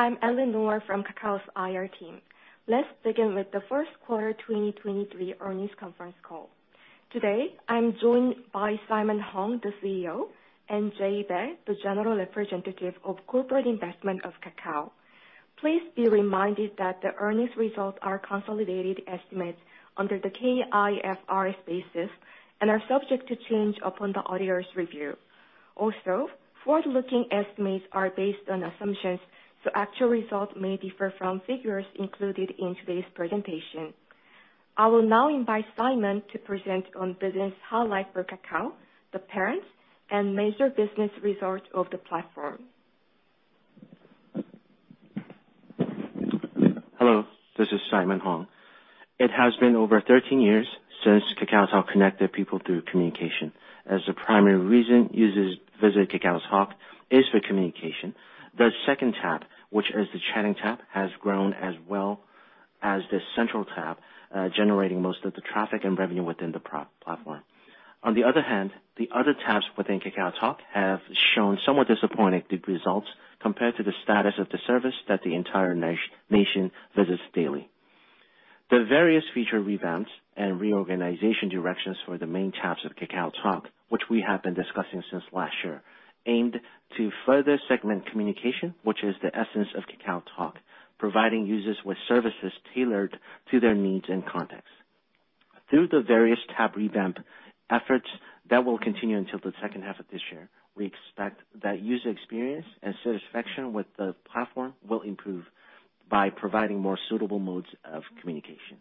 Hello, I'm Ellen Lee from Kakao's IR team. Let's begin with the first quarter 2023 earnings conference call. Today, I'm joined by Simon Hong, the CEO, and Jay Bae, the General Representative of Corporate Investment of Kakao. Please be reminded that the earnings results are consolidated estimates under the K-IFRS basis and are subject to change upon the auditor's review. Also, forward-looking estimates are based on assumptions, so actual results may differ from figures included in today's presentation. I will now invite Simon to present on business highlights for Kakao, the parents, and major business results of the platform. Hello, this is Simon Hong. It has been over 13 years since KakaoTalk connected people through communication. As the primary reason users visit KakaoTalk is for communication, the second tab, which is the chatting tab, has grown as well as the central tab, generating most of the traffic and revenue within the pro-platform. On the other hand, the other tabs within KakaoTalk have shown somewhat disappointing results compared to the status of the service that the entire nation visits daily. The various feature revamps and reorganization directions for the main tabs of KakaoTalk, which we have been discussing since last year, aimed to further segment communication, which is the essence of KakaoTalk, providing users with services tailored to their needs and context. Through the various tab revamp efforts that will continue until the second half of this year, we expect that user experience and satisfaction with the platform will improve by providing more suitable modes of communication.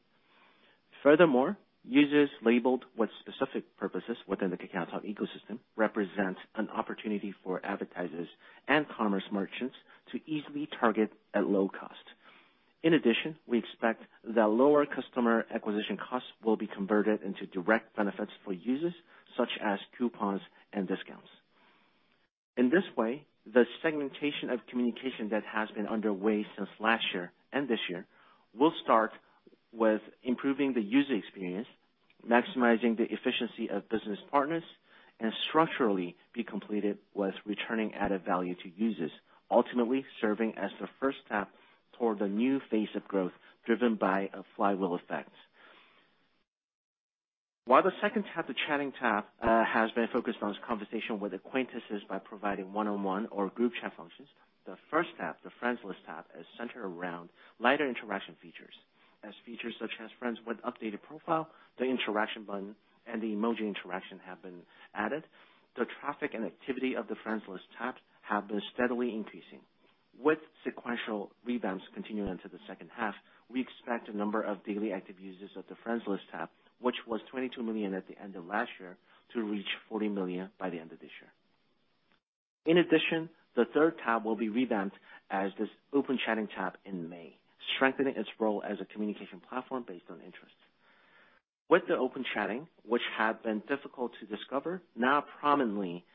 Furthermore, users labeled with specific purposes within the KakaoTalk ecosystem represents an opportunity for advertisers and commerce merchants to easily target at low cost. In addition, we expect that lower customer acquisition costs will be converted into direct benefits for users, such as coupons and discounts. In this way, the segmentation of communication that has been underway since last year and this year will start with improving the user experience, maximizing the efficiency of business partners, and structurally be completed with returning added value to users, ultimately serving as the first step toward the new phase of growth driven by a flywheel effect. While the second tab, the Chatting tab, has been focused on conversation with acquaintances by providing one-on-one or group chat functions, the first tab, the Friends List tab, is centered around lighter interaction features. As features such as friends with updated profile, the interaction button, and the emoji interaction have been added, the traffic and activity of the Friends List tab have been steadily increasing. With sequential revamps continuing into the second half, we expect the number of daily active users of the Friends List tab, which was 22 million at the end of last year, to reach 40 million by the end of this year. The third tab will be revamped as this Open Chat tab in May, strengthening its role as a communication platform based on interest. With the Open Chatting, which had been difficult to discover, now prominently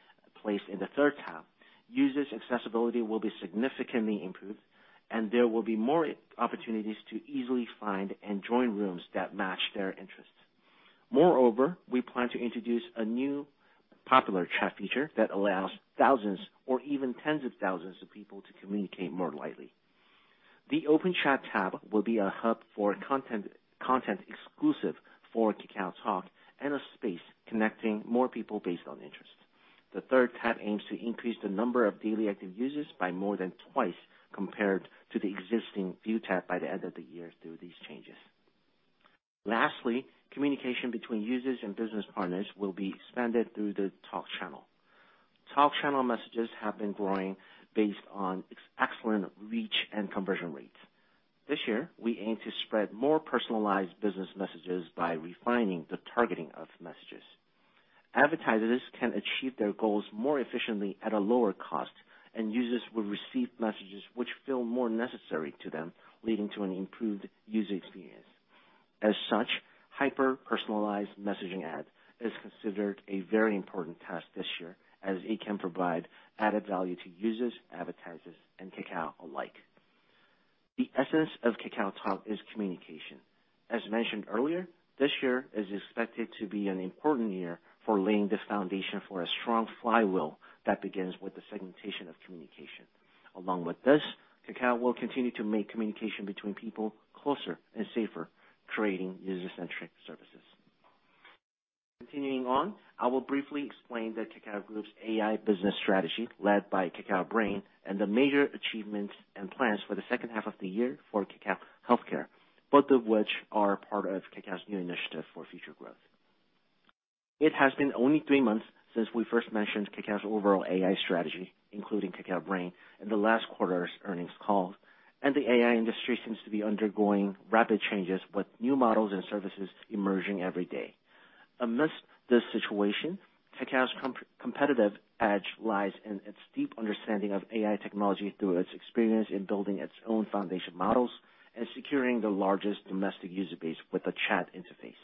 placed in the third tab, users' accessibility will be significantly improved, and there will be more opportunities to easily find and join rooms that match their interests. Moreover, we plan to introduce a new popular chat feature that allows thousands or even tens of thousands of people to communicate more lightly. The Open Chat tab will be a hub for content exclusive for KakaoTalk and a space connecting more people based on interest. The third tab aims to increase the number of daily active users by more than 2x compared to the existing View tab by the end of the year through these changes. Lastly, communication between users and business partners will be expanded through the Talk Channel. Talk Channel messages have been growing based on its excellent reach and conversion rates. This year, we aim to spread more personalized business messages by refining the targeting of messages. Advertisers can achieve their goals more efficiently at a lower cost, and users will receive messages which feel more necessary to them, leading to an improved user experience. As such, hyper-personalized messaging ad is considered a very important task this year, as it can provide added value to users, advertisers, and Kakao alike. The essence of KakaoTalk is communication. As mentioned earlier, this year is expected to be an important year for laying the foundation for a strong flywheel that begins with the segmentation of communication. Along with this, Kakao will continue to make communication between people closer and safer, creating user-centric services. Continuing on, I will briefly explain the Kakao Group's AI business strategy led by Kakao Brain and the major achievements and plans for the second half of the year for Kakao Healthcare, both of which are part of Kakao's new initiative for future growth. It has been only three months since we first mentioned Kakao's overall AI strategy, including Kakao Brain, in the last quarter's earnings call, and the AI industry seems to be undergoing rapid changes with new models and services emerging every day. Amidst this situation, Kakao's competitive edge lies in its deep understanding of AI technology through its experience in building its own foundation models and securing the largest domestic user base with a chat interface.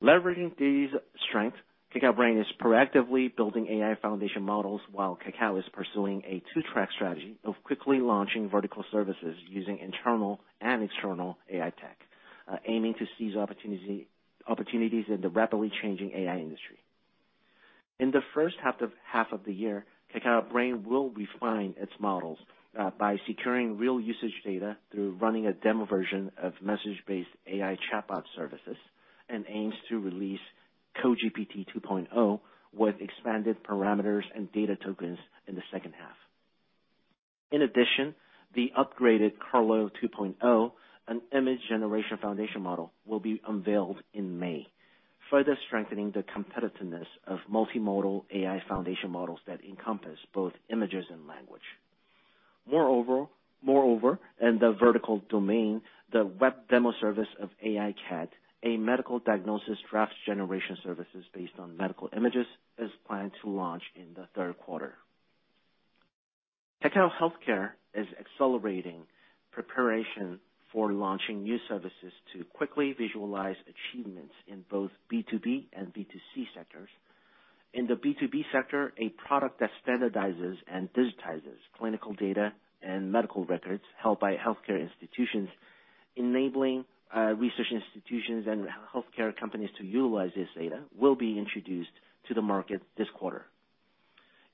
Leveraging these strengths, Kakao Brain is proactively building AI foundation models while Kakao is pursuing a two-track strategy of quickly launching vertical services using internal and external AI tech, aiming to seize opportunities in the rapidly changing AI industry. In the first half of the year, Kakao Brain will refine its models by securing real usage data through running a demo version of message-based AI chatbot services, and aims to release KoGPT 2.0 with expanded parameters and data tokens in the second half. The upgraded Karlo 2.0, an image generation foundation model, will be unveiled in May, further strengthening the competitiveness of multimodal AI foundation models that encompass both images and language. Moreover, in the vertical domain, the web demo service of KARA-CXR, a medical diagnosis drafts generation services based on medical images, is planned to launch in the third quarter. Kakao Healthcare is accelerating preparation for launching new services to quickly visualize achievements in both B2B and B2C sectors. In the B2B sector, a product that standardizes and digitizes clinical data and medical records held by healthcare institutions, enabling research institutions and healthcare companies to utilize this data, will be introduced to the market this quarter.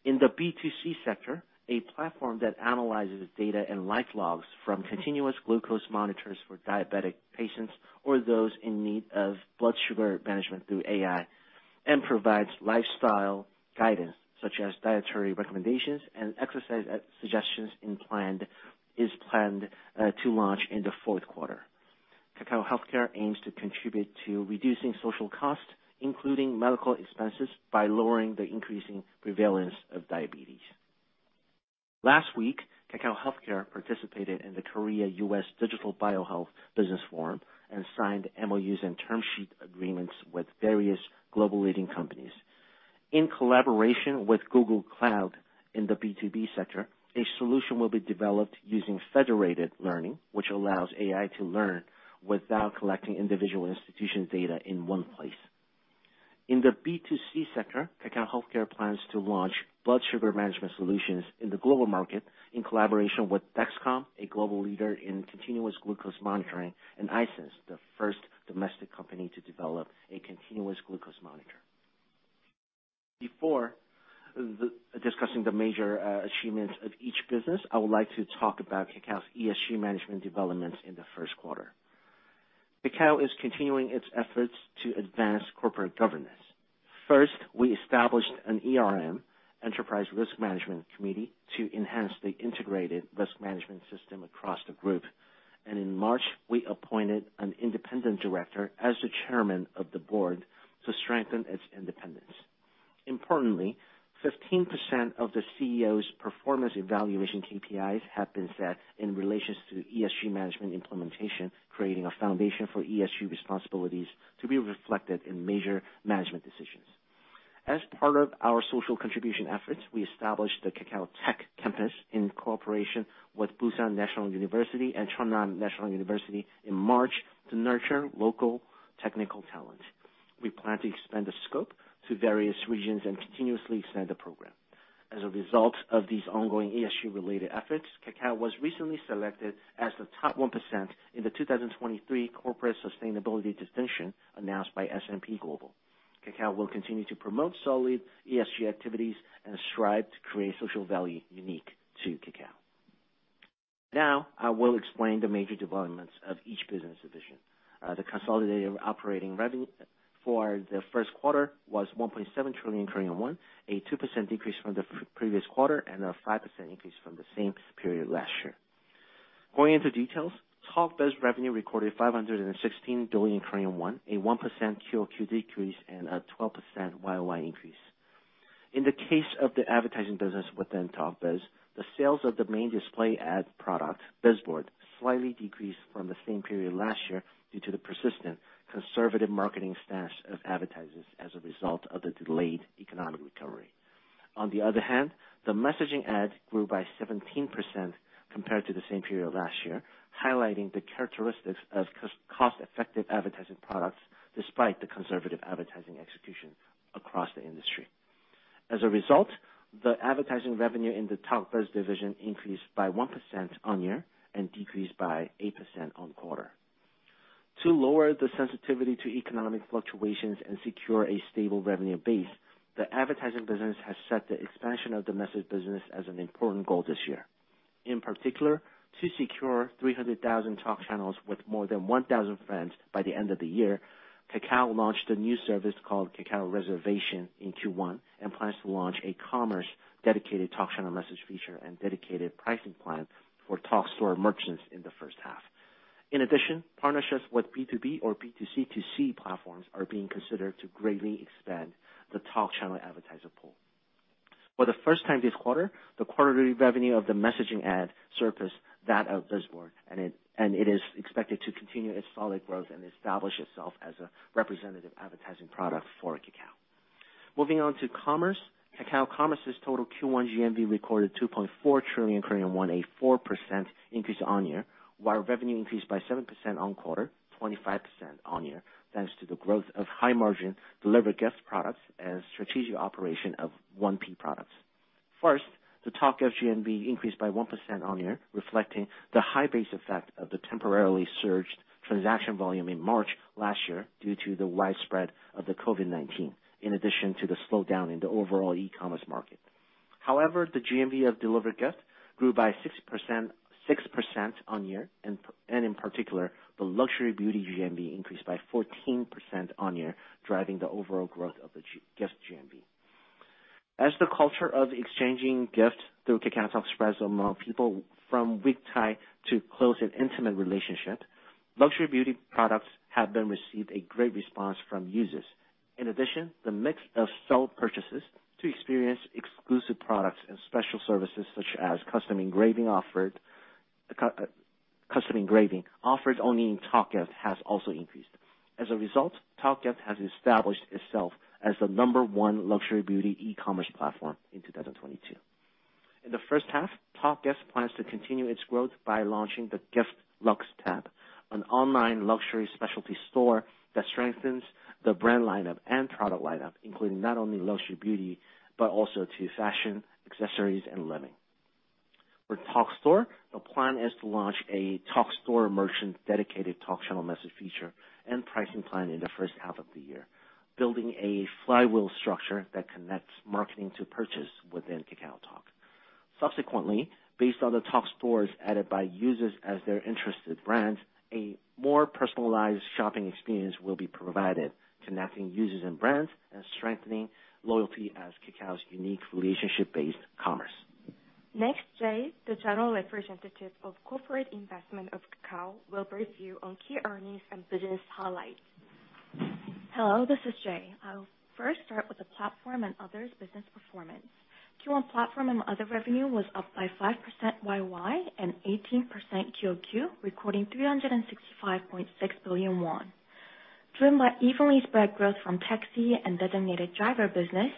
In the B2C sector, a platform that analyzes data and life logs from continuous glucose monitors for diabetic patients or those in need of blood sugar management through AI, and provides lifestyle guidance such as dietary recommendations and exercise suggestions is planned to launch in the fourth quarter. Kakao Healthcare aims to contribute to reducing social costs, including medical expenses, by lowering the increasing prevalence of diabetes. Last week, Kakao Healthcare participated in the Korea-U.S. Digital and Bio-Health Business Forum and signed MOUs and term sheet agreements with various global leading companies. In collaboration with Google Cloud in the B2B sector, a solution will be developed using federated learning, which allows AI to learn without collecting individual institution data in one place. In the B2C sector, Kakao Healthcare plans to launch blood sugar management solutions in the global market in collaboration with Dexcom, a global leader in continuous glucose monitoring, and i-SENS, the first domestic company to develop a continuous glucose monitor. Before discussing the major achievements of each business, I would like to talk about Kakao's ESG management developments in the first quarter. Kakao is continuing its efforts to advance corporate governance. First, we established an ERM, enterprise risk management committee, to enhance the integrated risk management system across the group. In March, we appointed an independent director as the chairman of the board to strengthen its independence. Importantly, 15% of the CEO's performance evaluation KPIs have been set in relations to ESG management implementation, creating a foundation for ESG responsibilities to be reflected in major management decisions. As part of our social contribution efforts, we established the Kakao Tech Campus in cooperation with Pusan National University and Korea University of Technology and Education in March to nurture local technical talent. We plan to expand the scope to various regions and continuously expand the program. As a result of these ongoing ESG-related efforts, Kakao was recently selected as the top 1% in the 2023 Corporate Sustainability Assessment announced by S&P Global. Kakao will continue to promote solid ESG activities and strive to create social value unique to Kakao. I will explain the major developments of each business division. The consolidated operating revenue for the first quarter was 1.7 trillion Korean won, a 2% decrease from the previous quarter, and a 5% increase from the same period last year. Going into details, TalkBiz revenue recorded 516 billion Korean won, a 1% QOQ decrease and a 12% YOY increase. In the case of the advertising business within TalkBiz, the sales of the main display ad product, BizBoard, slightly decreased from the same period last year due to the persistent conservative marketing stance of advertisers as a result of the delayed economic recovery. On the other hand, the messaging ads grew by 17% compared to the same period last year, highlighting the characteristics of cost effective advertising products despite the conservative advertising execution across the industry. As a result, the advertising revenue in the Talk Biz division increased by 1% on year and decreased by 8% on quarter. To lower the sensitivity to economic fluctuations and secure a stable revenue base, the advertising business has set the expansion of the message business as an important goal this year. In particular, to secure 300,000 Talk Channels with more than 1,000 friends by the end of the year, Kakao launched a new service called Kakao Reservation in Q1, and plans to launch a commerce dedicated Talk Channel message feature and dedicated pricing plan for Talk Store merchants in the first half. In addition, partnerships with B2B or B2C2C platforms are being considered to greatly expand the Talk Channel advertiser pool. For the first time this quarter, the quarterly revenue of the messaging ad surfaced that of BizBoard, and it is expected to continue its solid growth and establish itself as a representative advertising product for Kakao. Moving on to commerce, Kakao Commerce's total Q1 GMV recorded 2.4 trillion Korean won, a 4% increase year-over-year, while revenue increased by 7% quarter-over-quarter, 25% year-over-year, thanks to the growth of high-margin delivered gift products and strategic operation of 1P products. The Talk Gift GMV increased by 1% year-over-year, reflecting the high base effect of the temporarily surged transaction volume in March last year due to the widespread of the COVID-19, in addition to the slowdown in the overall e-commerce market. However, the GMV of delivered gift grew by 60%, 6% on-year, and in particular, the luxury beauty GMV increased by 14% on-year, driving the overall growth of the gift GMV. As the culture of exchanging gifts through KakaoTalk spreads among people from weak tie to close and intimate relationship, luxury beauty products have been received a great response from users. In addition, the mix of self-purchases to experience exclusive products and special services such as custom engraving offered, custom engraving offered only in Talk Gift has also increased. As a result, Talk Gift has established itself as the number one luxury beauty e-commerce platform in 2022. In the first half, Talk Gift plans to continue its growth by launching the Gift Luxe tab, an online luxury specialty store that strengthens the brand lineup and product lineup, including not only luxury beauty, but also to fashion, accessories, and living. For Talk Store, the plan is to launch a Talk Store merchant dedicated Talk Channel message feature and pricing plan in the first half of the year, building a flywheel structure that connects marketing to purchase within KakaoTalk. Subsequently, based on the Talk Stores added by users as their interested brands, a more personalized shopping experience will be provided, connecting users and brands and strengthening loyalty as Kakao's unique relationship-based commerce. Next, Jay, the General Representative of Corporate Investment of Kakao, will brief you on key earnings and business highlights. Hello, this is Jay. I'll first start with the platform and others business performance. Q1 platform and other revenue was up by 5% YOY and 18% QOQ, recording 365.6 billion won. Driven by evenly spread growth from taxi and designated driver business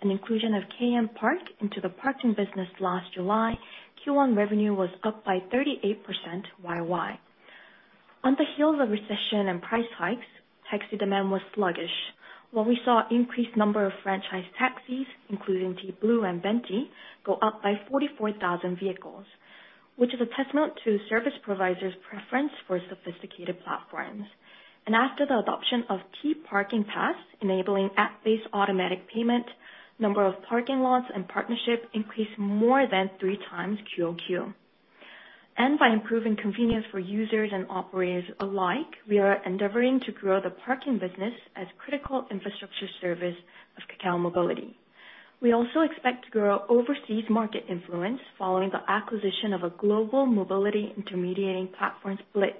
and inclusion of KM Park into the parking business last July, Q1 revenue was up by 38% YOY. On the heels of recession and price hikes, taxi demand was sluggish, while we saw increased number of franchise taxis, including T Blue and Venti, go up by 44,000 vehicles, which is a testament to service providers' preference for sophisticated platforms. After the adoption of T Parking Pass, enabling app-based automatic payment, number of parking lots and partnership increased more than 3 times QOQ. By improving convenience for users and operators alike, we are endeavoring to grow the parking business as critical infrastructure service of Kakao Mobility. We also expect to grow overseas market influence following the acquisition of a global mobility intermediating platform, Splyt,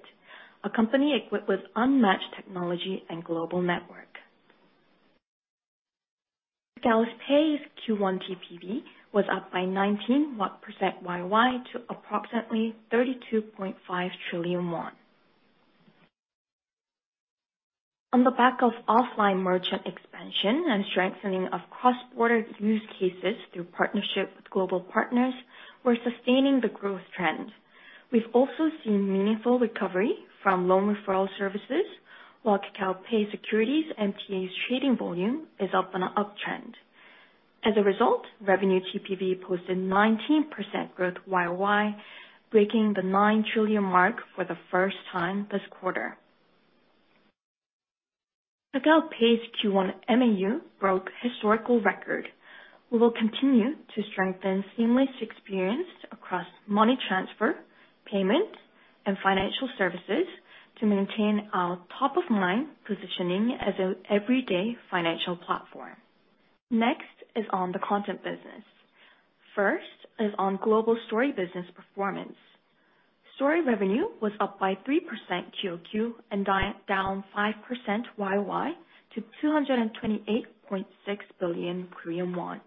a company equipped with unmatched technology and global network. Kakao Pay's Q1 TPV was up by 19% YOY to approximately KRW 32.5 trillion. On the back of offline merchant expansion and strengthening of cross-border use cases through partnership with global partners, we're sustaining the growth trend. We've also seen meaningful recovery from loan referral services, while Kakao Pay Securities MTS trading volume is up on an uptrend. As a result, revenue TPV posted 19% growth YOY, breaking the 9 trillion mark for the first time this quarter. Kakao Pay's Q1 MAU broke historical record. We will continue to strengthen seamless experience across money transfer, payment, and financial services to maintain our top of mind positioning as an everyday financial platform. First is on global story business performance. Story revenue was up by 3% QOQ and down 5% YOY to 228.6 billion Korean won.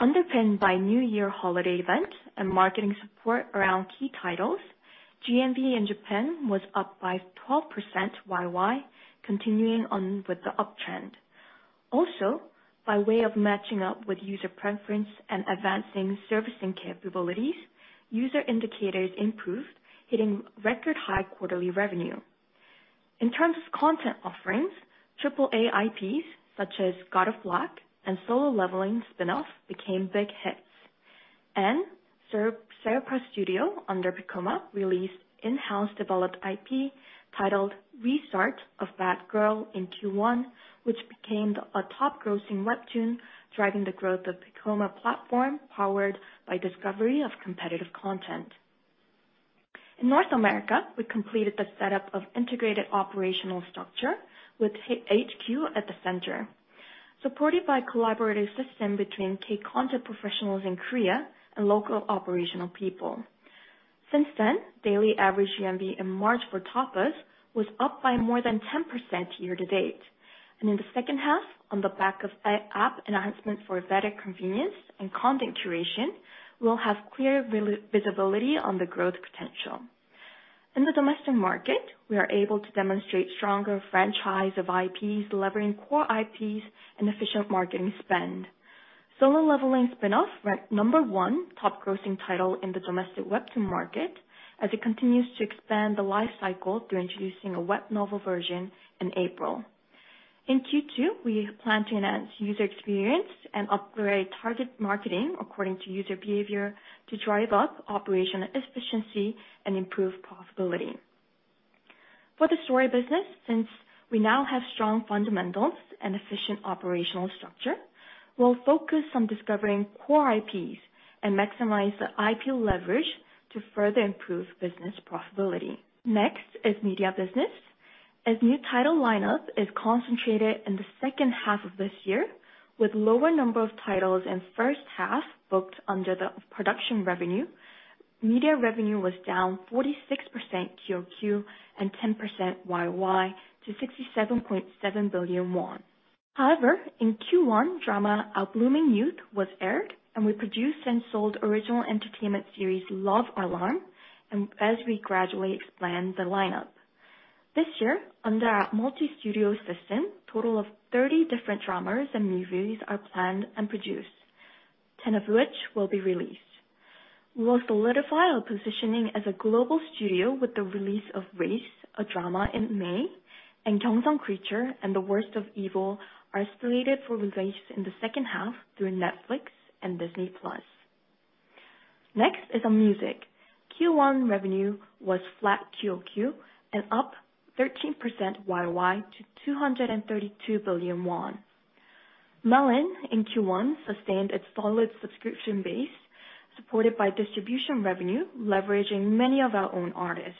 Underpinned by New Year holiday events and marketing support around key titles, GMV in Japan was up by 12% YOY, continuing on with the uptrend. By way of matching up with user preference and advancing servicing capabilities, user indicators improved, hitting record high quarterly revenue. In terms of content offerings, AAA IPs such as God of Rock and Solo Leveling Spin-off became big hits. Sherpa Studio under Piccoma released in-house developed IP titled Restart of That Girl in Q1, which became a top grossing webtoon, driving the growth of Piccoma platform powered by discovery of competitive content. In North America, we completed the setup of integrated operational structure with HQ at the center, supported by collaborative system between K-content professionals in Korea and local operational people. Since then, daily average GMV in March for Tapas was up by more than 10% year to date. In the second half, on the back of app enhancement for better convenience and content curation, we'll have clear visibility on the growth potential. In the domestic market, we are able to demonstrate stronger franchise of IPs, delivering core IPs and efficient marketing spend. Solo Leveling Spin-off ranked number one top grossing title in the domestic webtoon market, as it continues to expand the life cycle through introducing a web novel version in April. In Q2, we plan to enhance user experience and upgrade target marketing according to user behavior to drive up operational efficiency and improve profitability. For the story business, since we now have strong fundamentals and efficient operational structure, we'll focus on discovering core IPs and maximize the IP leverage to further improve business profitability. Next is media business. As new title lineup is concentrated in the second half of this year, with lower number of titles in first half booked under the production revenue, media revenue was down 46% QOQ and 10% YOY to 67.7 billion won. However, in Q1, drama Our Blooming Youth was aired, and we produced and sold original entertainment series Love Alarm, and as we gradually expand the lineup. This year, under our multi-studio system, total of 30 different dramas and movies are planned and produced, 10 of which will be released. We will solidify our positioning as a global studio with the release of Race, a drama in May, and Gyeongseong Creature and The Worst of Evil are slated for release in the second half through Netflix and Disney+. Next is on music. Q1 revenue was flat QOQ and up 13% YOY to 232 billion won. Melon in Q1 sustained its solid subscription base, supported by distribution revenue, leveraging many of our own artists,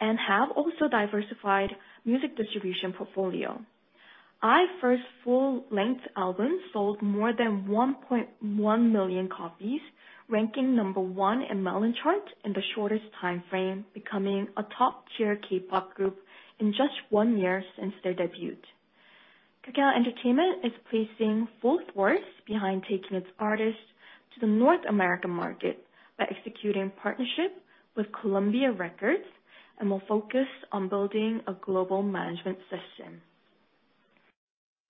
and have also diversified music distribution portfolio. IVE first full-length album sold more than 1.1 million copies, ranking number 1 in Melon Chart in the shortest time frame, becoming a top-tier K-pop group in just 1 year since their debut. Kakao Entertainment is placing full force behind taking its artists to the North American market by executing partnership with Columbia Records, and will focus on building a global management system.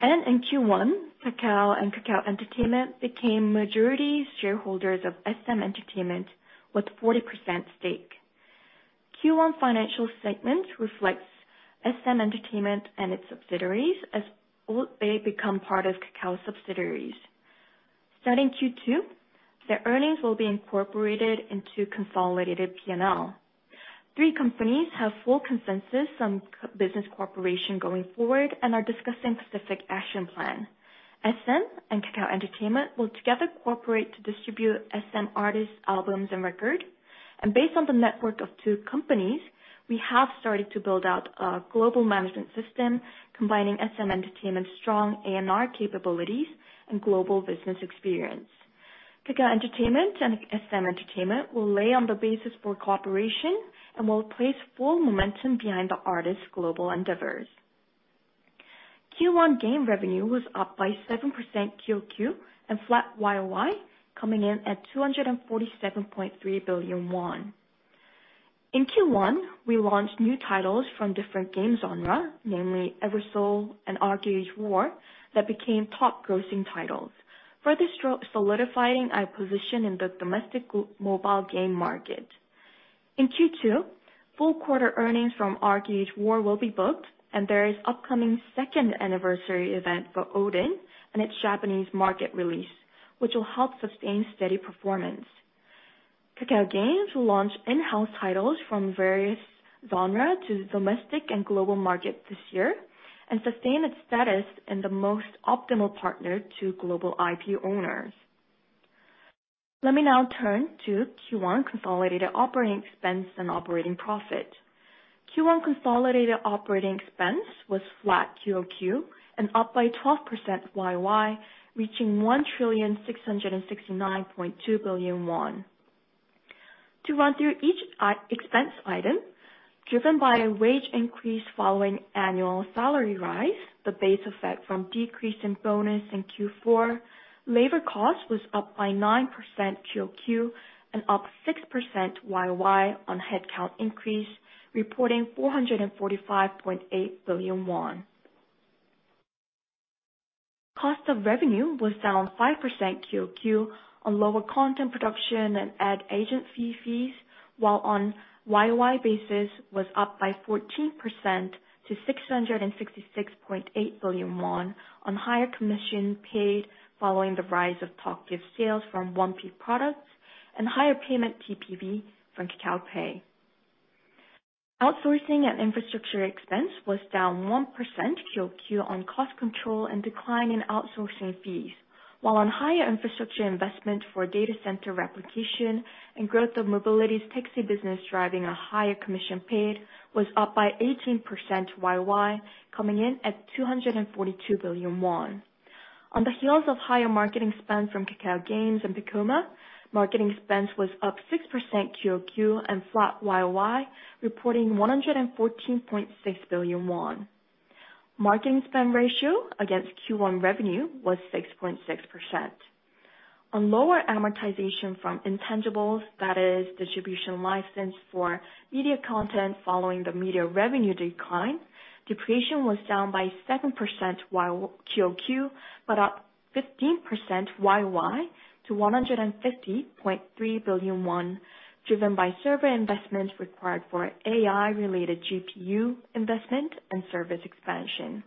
In Q1, Kakao and Kakao Entertainment became majority shareholders of SM Entertainment with 40% stake. Q1 financial segment reflects SM Entertainment and its subsidiaries as they become part of Kakao subsidiaries. Starting Q2, their earnings will be incorporated into consolidated P&L. 3 companies have full consensus on k- business corporation going forward and are discussing specific action plan. SM and Kakao Entertainment will together cooperate to distribute SM artists' albums and record. Based on the network of two companies, we have started to build out a global management system, combining SM Entertainment's strong A&R capabilities and global business experience. Kakao Entertainment and SM Entertainment will lay on the basis for cooperation and will place full momentum behind the artists' global endeavors. Q1 game revenue was up by 7% QOQ and flat YOY, coming in at 247.3 billion won. In Q1, we launched new titles from different game genre, namely Eversoul and ArcheAge War, that became top grossing titles, further solidifying our position in the domestic mobile game market. In Q2, full quarter earnings from ArcheAge War will be booked, and there is upcoming second anniversary event for Odin and its Japanese market release, which will help sustain steady performance. Kakao Games will launch in-house titles from various genre to domestic and global market this year and sustain its status in the most optimal partner to global IP owners. Let me now turn to Q1 consolidated operating expense and operating profit. Q1 consolidated operating expense was flat QOQ and up by 12% YOY, reaching 1,669.2 billion won. To run through each expense item, driven by a wage increase following annual salary rise, the base effect from decrease in bonus in Q4, labor cost was up by 9% QOQ and up 6% YOY on headcount increase, reporting KRW 445.8 billion. Cost of revenue was down 5% QOQ on lower content production and ad agency fees, while on year-over-year basis was up by 14% to 666.8 billion won on higher commission paid following the rise of Talk Gift sales from 1P products and higher payment TPV from Kakao Pay. Outsourcing and infrastructure expense was down 1% QOQ on cost control and decline in outsourcing fees, while on higher infrastructure investment for data center replication and growth of Kakao Mobility's taxi business driving a higher commission paid was up by 18% YOY, coming in at 242 billion won. On the heels of higher marketing spend from Kakao Games and Piccoma, marketing expense was up 6% QOQ and flat YOY, reporting 114.6 billion won. Marketing spend ratio against Q1 revenue was 6.6%. Lower amortization from intangibles, that is distribution license for media content following the media revenue decline, depreciation was down by 7% quarter-over-quarter, but up 15% year-over-year to 150.3 billion won, driven by server investments required for AI-related GPU investment and service expansion.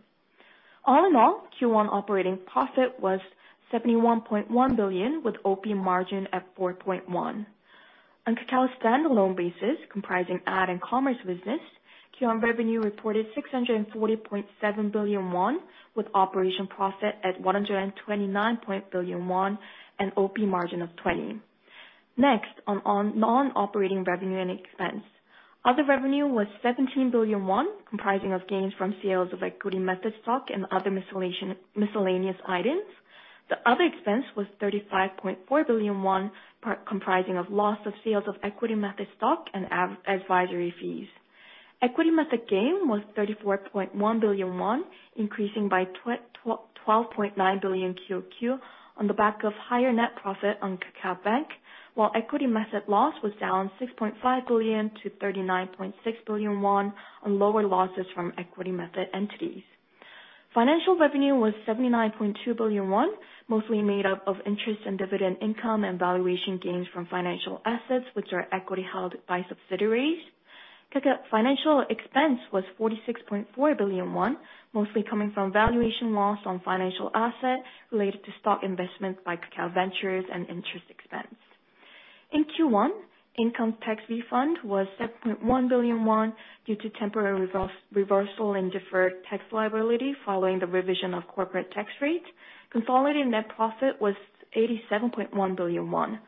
All in all, Q1 operating profit was 71.1 billion, with OP margin at 4.1%. Kakao stand-alone basis, comprising ad and commerce business, Q1 revenue reported 640.7 billion won, with operating profit at 129.0 billion won and OP margin of 20%. Non-operating revenue and expense. Other revenue was 17 billion won, comprising of gains from sales of equity method stock and other miscellaneous items. The other expense was 35.4 billion won, part comprising of loss of sales of equity method stock and advisory fees. Equity method gain was 34.1 billion won, increasing by 12.9 billion QOQ on the back of higher net profit on Kakao Bank, while equity method loss was down 6.5 billion to 39.6 billion won on lower losses from equity method entities. Financial revenue was 79.2 billion won, mostly made up of interest and dividend income and valuation gains from financial assets which are equity held by subsidiaries. Kakao financial expense was 46.4 billion won, mostly coming from valuation loss on financial assets related to stock investments by Kakao Ventures and interest expense. In Q1, income tax refund was 7.1 billion won due to temporary reversal in deferred tax liability following the revision of corporate tax rates. Consolidated net profit was 87.1 billion won.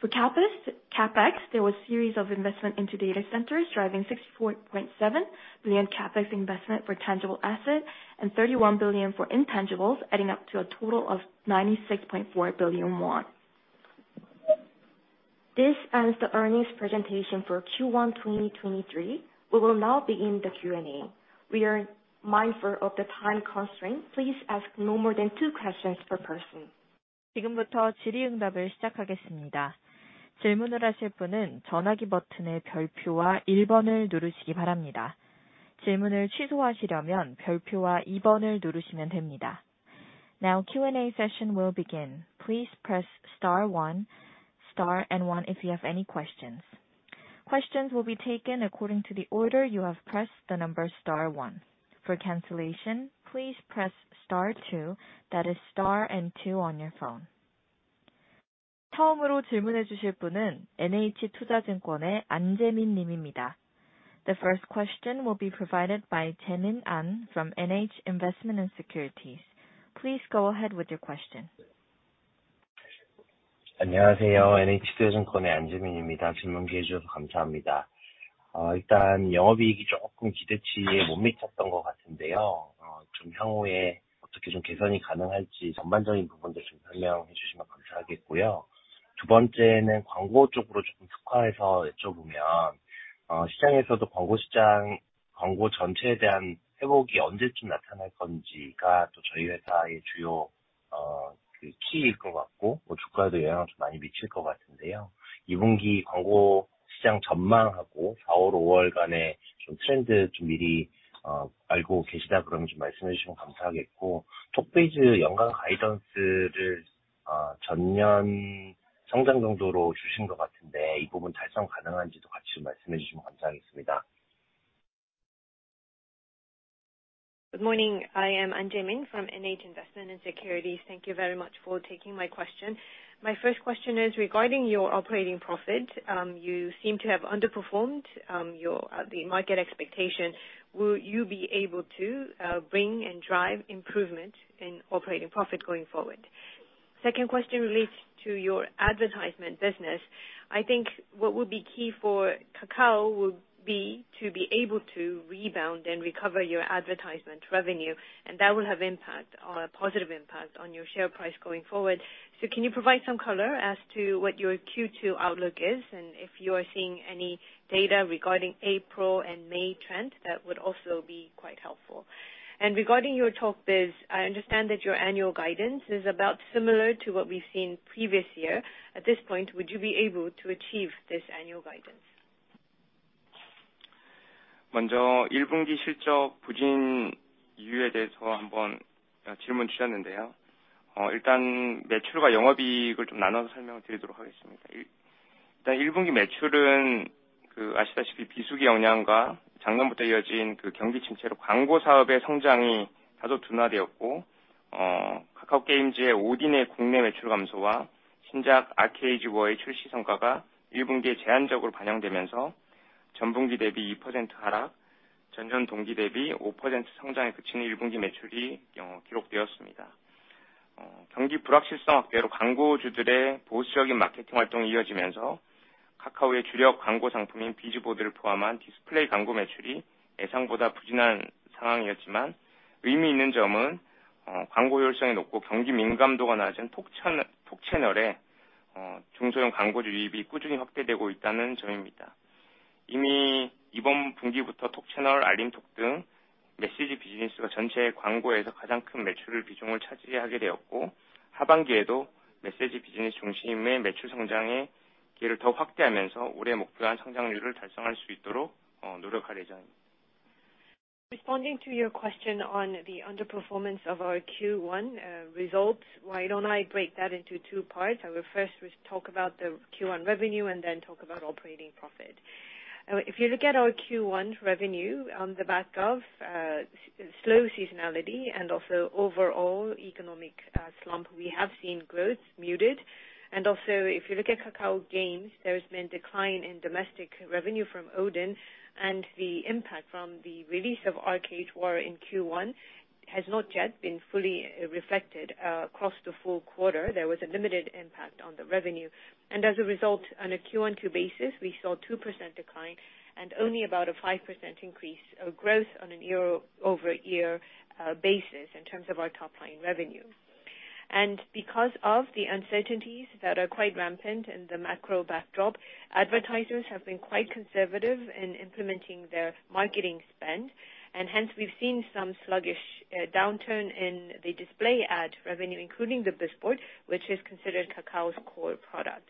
For CAPEX, there was series of investment into data centers driving 64.7 billion CAPEX investment for tangible assets and 31 billion for intangibles, adding up to a total of 96.4 billion won. This ends the earnings presentation for Q1 2023. We will now begin the Q&A. We are mindful of the time constraint. Please ask no more than two questions per person. Now Q&A session will begin. Please press star 1, star and 1 if you have any questions. Questions will be taken according to the order you have pressed the number star 1. For cancellation, please press star 2, that is star and 2 on your phone. The first question will be provided by Jaemin An from NH Investment & Securities. Please go ahead with your question. Good morning. I am Jaemin An from NH Investment & Securities. Thank you very much for taking my question. My first question is regarding your operating profit. You seem to have underperformed your the market expectation. Will you be able to bring and drive improvement in operating profit going forward? Second question relates to your advertisement business. I think what will be key for Kakao will be to be able to rebound and recover your advertisement revenue, and that will have impact or a positive impact on your share price going forward. Can you provide some color as to what your Q2 outlook is, and if you are seeing any data regarding April and May trend, that would also be quite helpful. Regarding your TalkBiz, I understand that your annual guidance is about similar to what we've seen previous year. At this point, would you be able to achieve this annual guidance? Responding to your question on the underperformance of our Q1 results, why don't I break that into two parts? I will first talk about the Q1 revenue and then talk about operating profit. If you look at our Q1 revenue on the back of slow seasonality and also overall economic slump, we have seen growth muted. If you look at Kakao Games, there has been decline in domestic revenue from Odin and the impact from the release of Arcade War in Q1 has not yet been fully reflected across the full quarter. There was a limited impact on the revenue. As a result, on a Q-on-Q basis, we saw 2% decline and only about a 5% increase growth on a year-over-year basis in terms of our top line revenue. Because of the uncertainties that are quite rampant in the macro backdrop, advertisers have been quite conservative in implementing their marketing spend. Hence we've seen some sluggish downturn in the display ad revenue, including the BizBoard, which is considered Kakao's core product.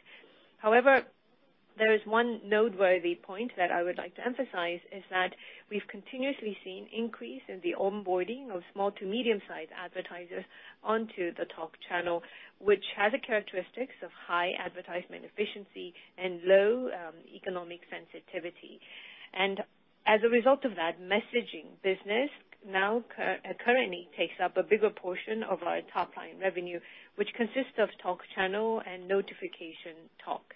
There is one noteworthy point that I would like to emphasize is that we've continuously seen increase in the onboarding of small to medium-sized advertisers onto the KakaoTalk Channel, which has the characteristics of high advertisement efficiency and low economic sensitivity. As a result of that, messaging business now currently takes up a bigger portion of our top line revenue, which consists of KakaoTalk Channel and Notification Talk.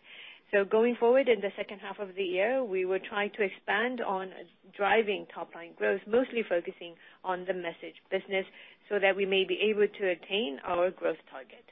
Going forward, in the second half of the year, we will try to expand on driving top line growth, mostly focusing on the message business, so that we may be able to attain our growth target.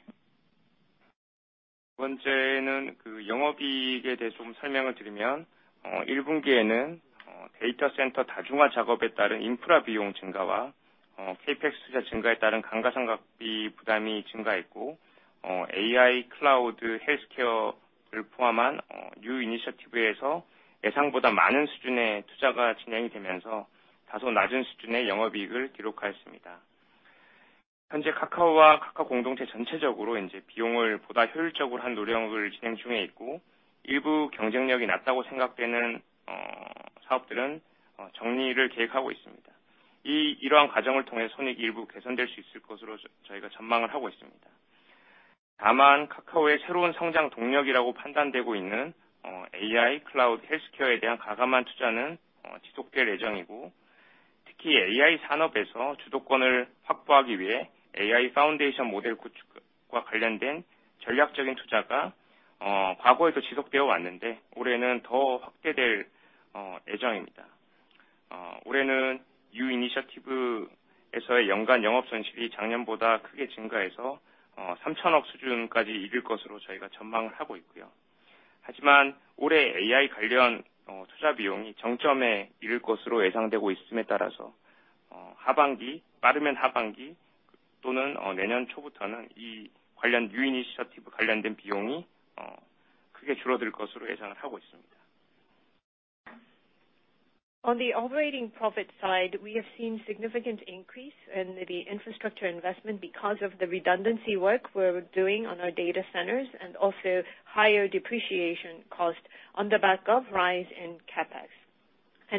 On the operating profit side, we have seen significant increase in the infrastructure investment because of the redundancy work we're doing on our data centers and also higher depreciation cost on the back of rise in CAPEX.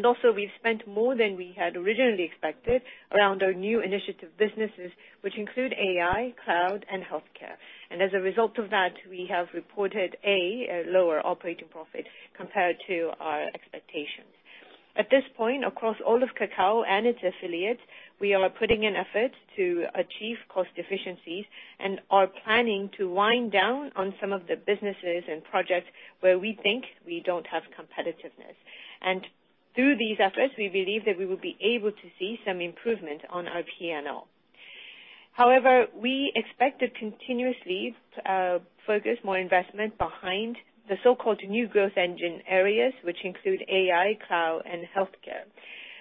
Also, we've spent more than we had originally expected around our new initiative businesses, which include AI, cloud, and healthcare. As a result of that, we have reported a lower operating profit compared to our expectations. At this point, across all of Kakao and its affiliates, we are putting in effort to achieve cost efficiencies and are planning to wind down on some of the businesses and projects where we think we don't have competitiveness. Through these efforts, we believe that we will be able to see some improvement on our P&L. However, we expect to continuously focus more investment behind the so-called new growth engine areas, which include AI, cloud, and healthcare.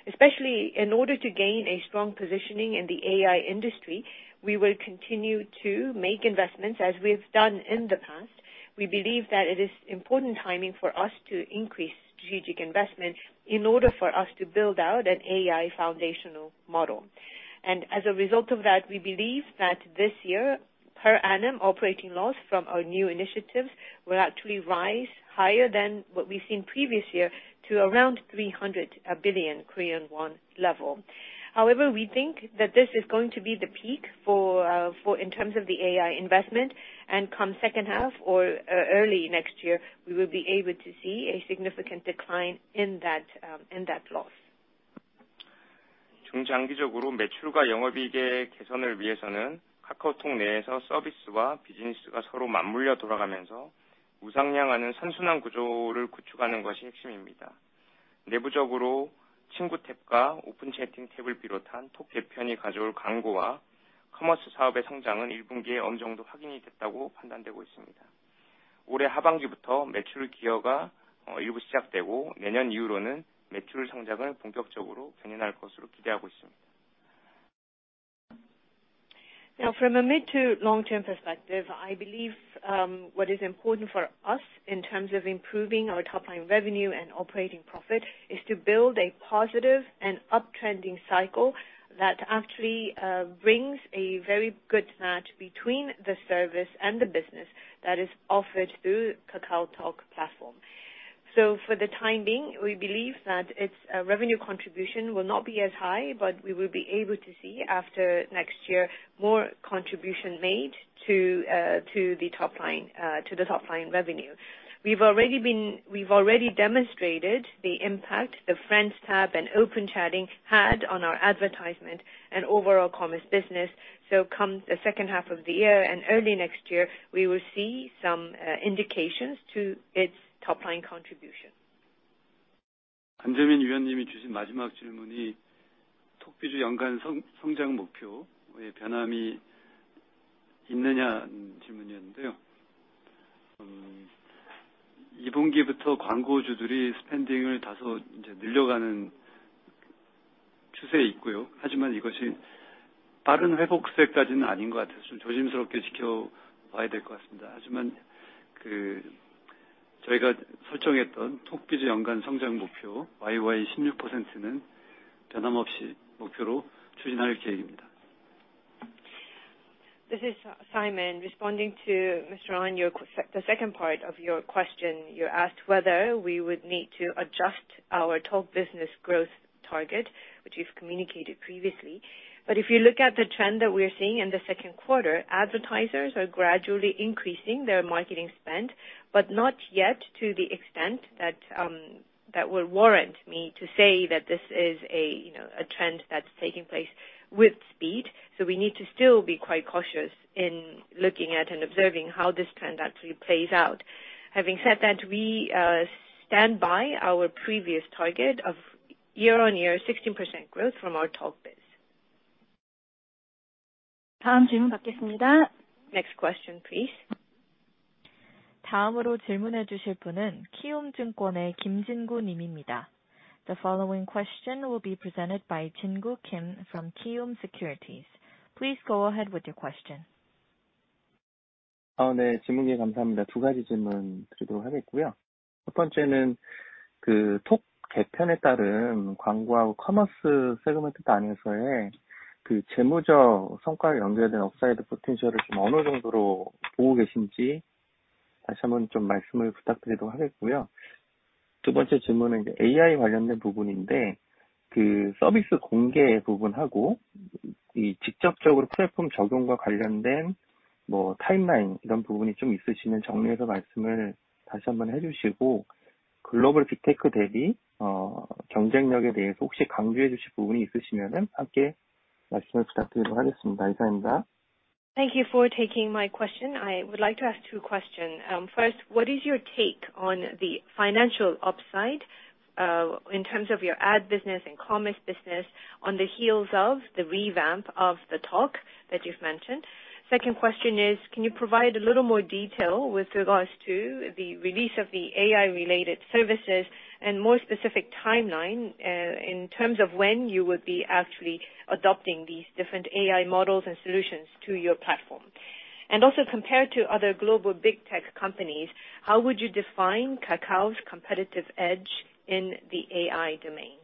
Especially in order to gain a strong positioning in the AI industry, we will continue to make investments as we've done in the past. We believe that it is important timing for us to increase strategic investment in order for us to build out an AI foundational model. As a result of that, we believe that this year, per annum operating loss from our new initiatives will actually rise higher than what we've seen previous year to around 300 billion Korean won level. However, we think that this is going to be the peak for in terms of the AI investment and come second half or early next year, we will be able to see a significant decline in that, in that loss. Now from a mid to long-term perspective, I believe, what is important for us in terms of improving our top line revenue and operating profit is to build a positive and uptrending cycle that actually brings a very good match between the service and the business that is offered through KakaoTalk platform. For the time being, we believe that its revenue contribution will not be as high, but we will be able to see after next year more contribution made to the top line, to the top line revenue. We've already demonstrated the impact the Friends tab and Open Chatting had on our advertisement and overall commerce business. Come the second half of the year and early next year, we will see some indications to its top line contribution. This is Simon, responding to Mr. An, your the second part of your question, you asked whether we would need to adjust our Talk Business growth target, which we've communicated previously. If you look at the trend that we're seeing in the second quarter, advertisers are gradually increasing their marketing spend, but not yet to the extent that that would warrant me to say that this is a, you know, a trend that's taking place with speed. We need to still be quite cautious in looking at and observing how this trend actually plays out. Having said that, we stand by our previous target of year-on-year 16% growth from our Talk Biz. Next question, please. The following question will be presented by Jin Goo Kim from Kiwoom Securities. Please go ahead with your question. Thank you for taking my question. I would like to ask two questions. First, what is your take on the financial upside in terms of your ad business and commerce business on the heels of the revamp of the Talk that you've mentioned? Second question is, can you provide a little more detail with regards to the release of the AI related services and more specific timeline in terms of when you would be actually adopting these different AI models and solutions to your platform? Compared to other global big tech companies, how would you define Kakao's competitive edge in the AI domain?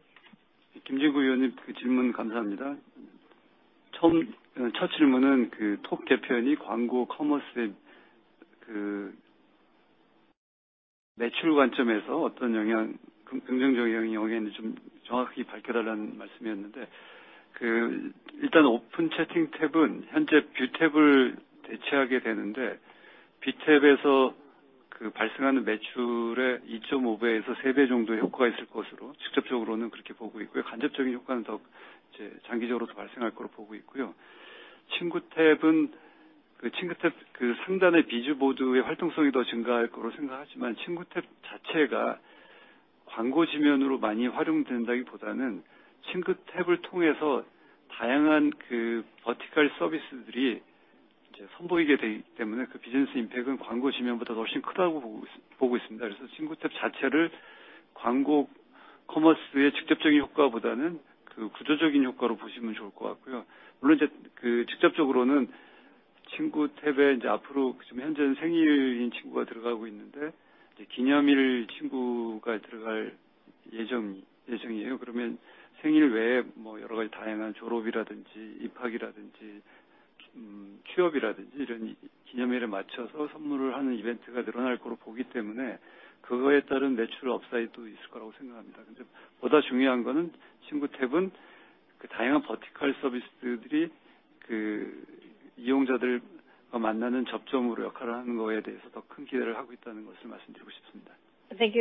Thank you,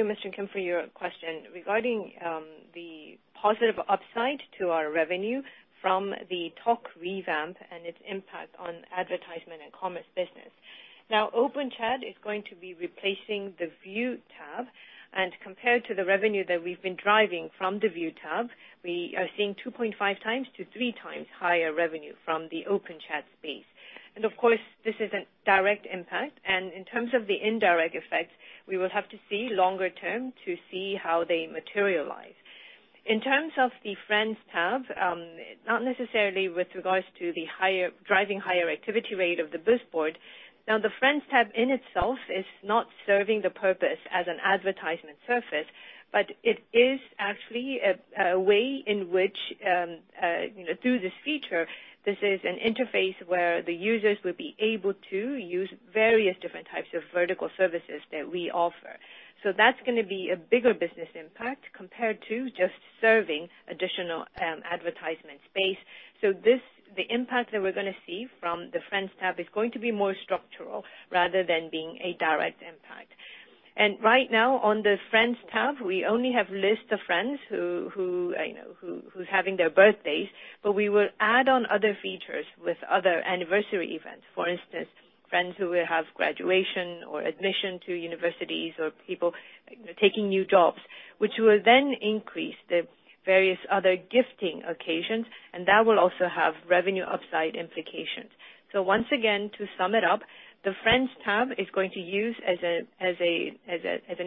Mr. Kim, for your question. Regarding the positive upside to our revenue from the Talk revamp and its impact on advertisement and commerce business. Now, OpenChat is going to be replacing the View tab, compared to the revenue that we've been driving from the View tab, we are seeing 2.5 times to 3 times higher revenue from the OpenChat space. Of course, this is a direct impact. In terms of the indirect effects, we will have to see longer term to see how they materialize. In terms of the Friends tab, not necessarily with regards to the higher, driving higher activity rate of the BizBoard. Now, the Friends tab in itself is not serving the purpose as an advertisement surface. It is actually a way in which, you know, through this feature, this is an interface where the users will be able to use various different types of vertical services that we offer. That's gonna be a bigger business impact compared to just serving additional advertisement space. This, the impact that we're gonna see from the Friends tab is going to be more structural rather than being a direct impact. Right now on the Friends tab, we only have list of friends who, you know, who is having their birthdays, but we will add on other features with other anniversary events. For instance, friends who will have graduation or admission to universities or people, you know, taking new jobs, which will then increase the various other gifting occasions, and that will also have revenue upside implications. Once again, to sum it up, the Friends tab is going to use as an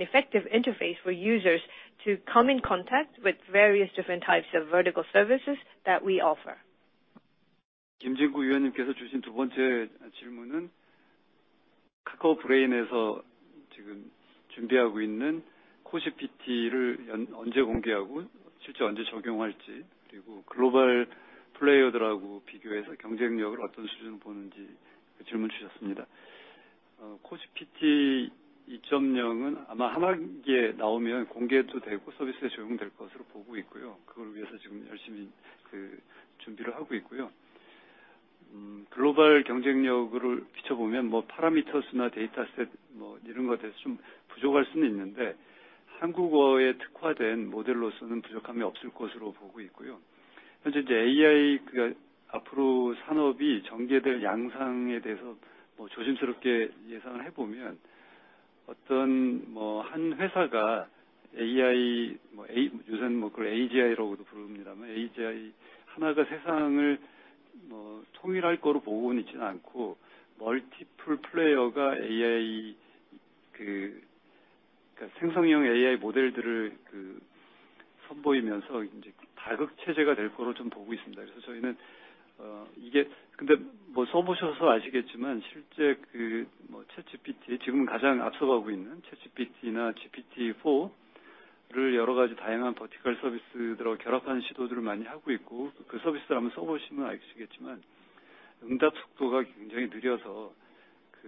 effective interface for users to come in contact with various different types of vertical services that we offer. KoGPT 2.0 parameters data set Korean AI ChatGPT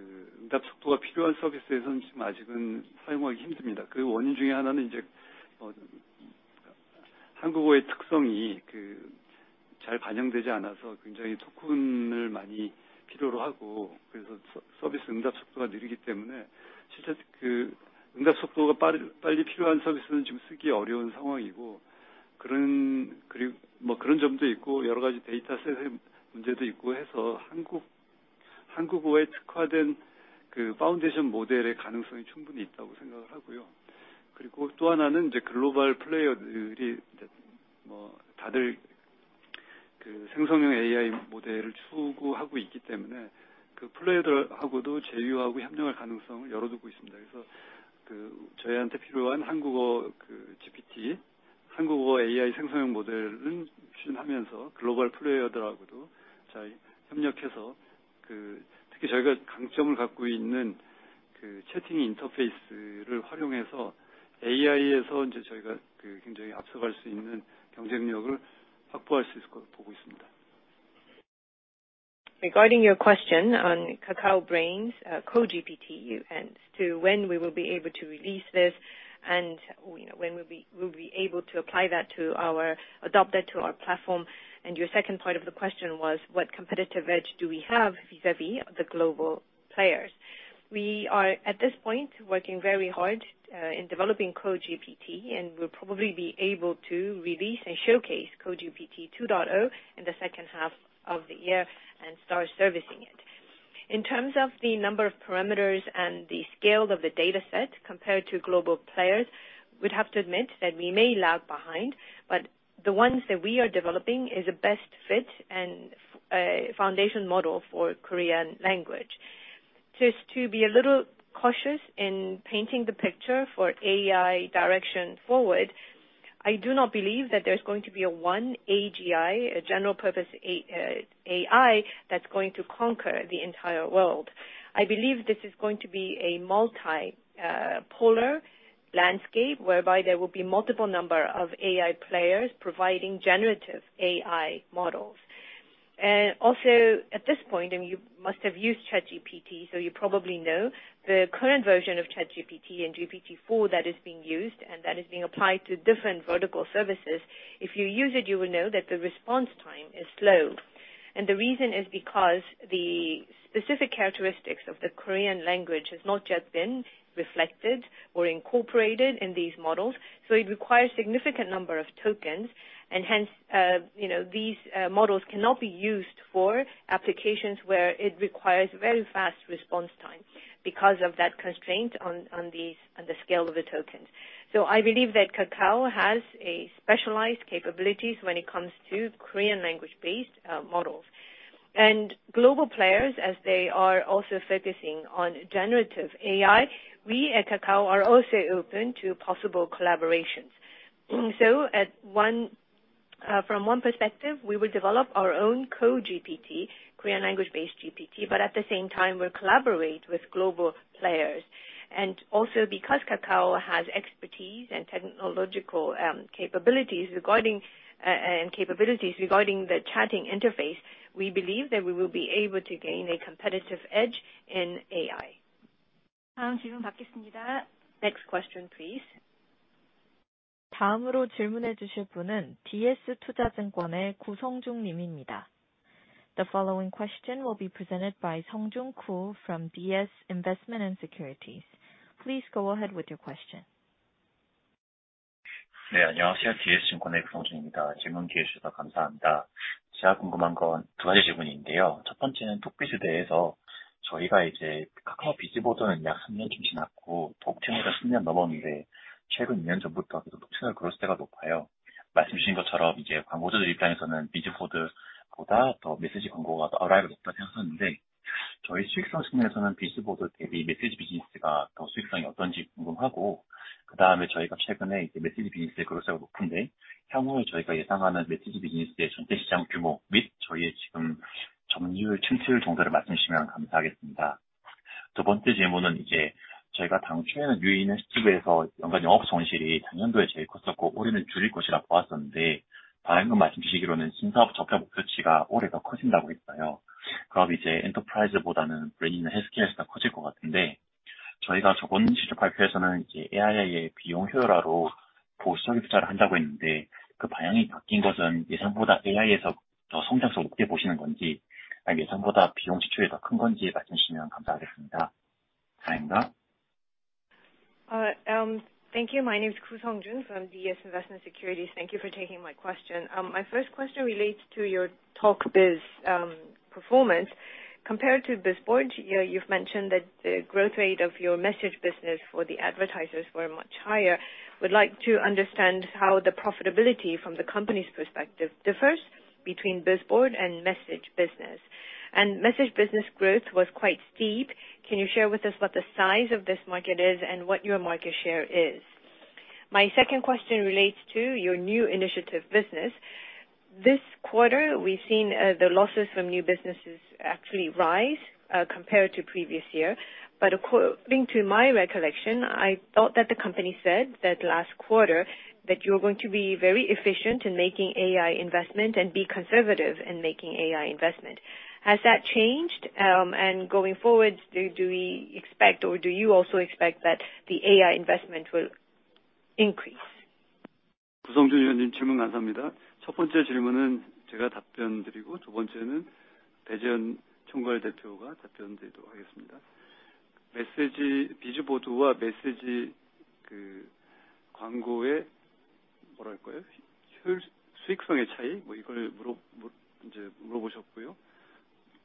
GPT 4 vertical service AI token service data set Korean foundation model global player AI model AI chatting interface AI. Regarding your question on Kakao Brain's KoGPT, you know, as to when we will be able to release this and when we'll be able to apply that to our, adopt that to our platform. Your second part of the question was what competitive edge do we have vis-a-vis the global players? We are at this point working very hard in developing KoGPT, and we'll probably be able to release and showcase KoGPT 2.0 in the second half of the year and start servicing it. In terms of the number of parameters and the scale of the data set compared to global players, we'd have to admit that we may lag behind, but the ones that we are developing is a best fit and foundation model for Korean language. Just to be a little cautious in painting the picture for AI direction forward, I do not believe that there's going to be a 1 AGI, a general purpose AI that's going to conquer the entire world. I believe this is going to be a multi-polar landscape whereby there will be multiple number of AI players providing generative AI models. Also at this point, you must have used ChatGPT, you probably know the current version of ChatGPT and GPT-4 that is being used and that is being applied to different vertical services, if you use it, you will know that the response time is slow. The reason is because the specific characteristics of the Korean language has not yet been reflected or incorporated in these models. It requires significant number of tokens and hence, you know, these models cannot be used for applications where it requires very fast response time because of that constraint on the scale of the tokens. I believe that Kakao has a specialized capabilities when it comes to Korean language-based models. Global players, as they are also focusing on generative AI, we at Kakao are also open to possible collaborations. At one perspective, we will develop our own KoGPT, Korean language-based GPT, but at the same time we'll collaborate with global players. Also because Kakao has expertise and technological capabilities regarding the chatting interface, we believe that we will be able to gain a competitive edge in AI. Next question, please. The following question will be presented by Koo Seong-jeong from DS Investment & Securities. Please go ahead with your question. Thank you. My name is Koo Seong-jeong from DS Investment & Securities. Thank you for taking my question. My first question relates to your Talk Biz performance. Compared to BizBoard, you've mentioned that the growth rate of your message business for the advertisers were much higher. Would like to understand how the profitability from the company's perspective differs between BizBoard and message business. Message business growth was quite steep. Can you share with us what the size of this market is and what your market share is? My second question relates to your new initiative business. This quarter, we've seen the losses from new businesses actually rise compared to previous year. According to my recollection, I thought that the company said that last quarter, that you're going to be very efficient in making AI investment and be conservative in making AI investment. Has that changed?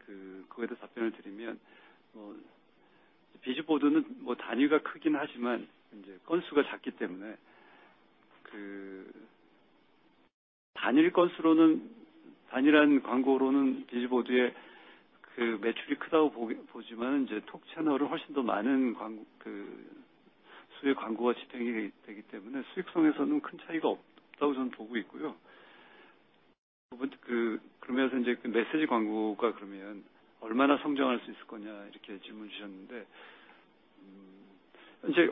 Going forward, do we expect or do you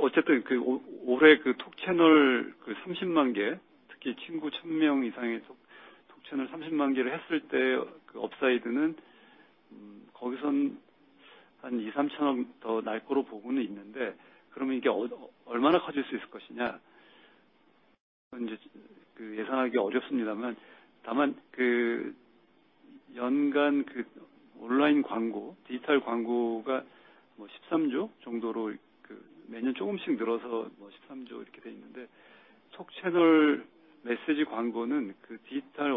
also expect that the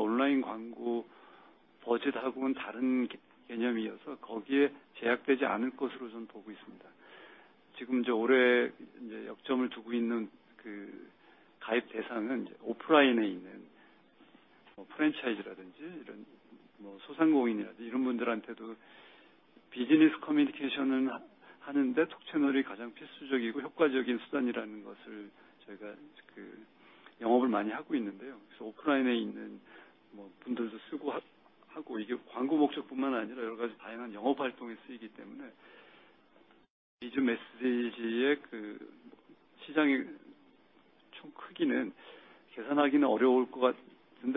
AI investment will increase? Thank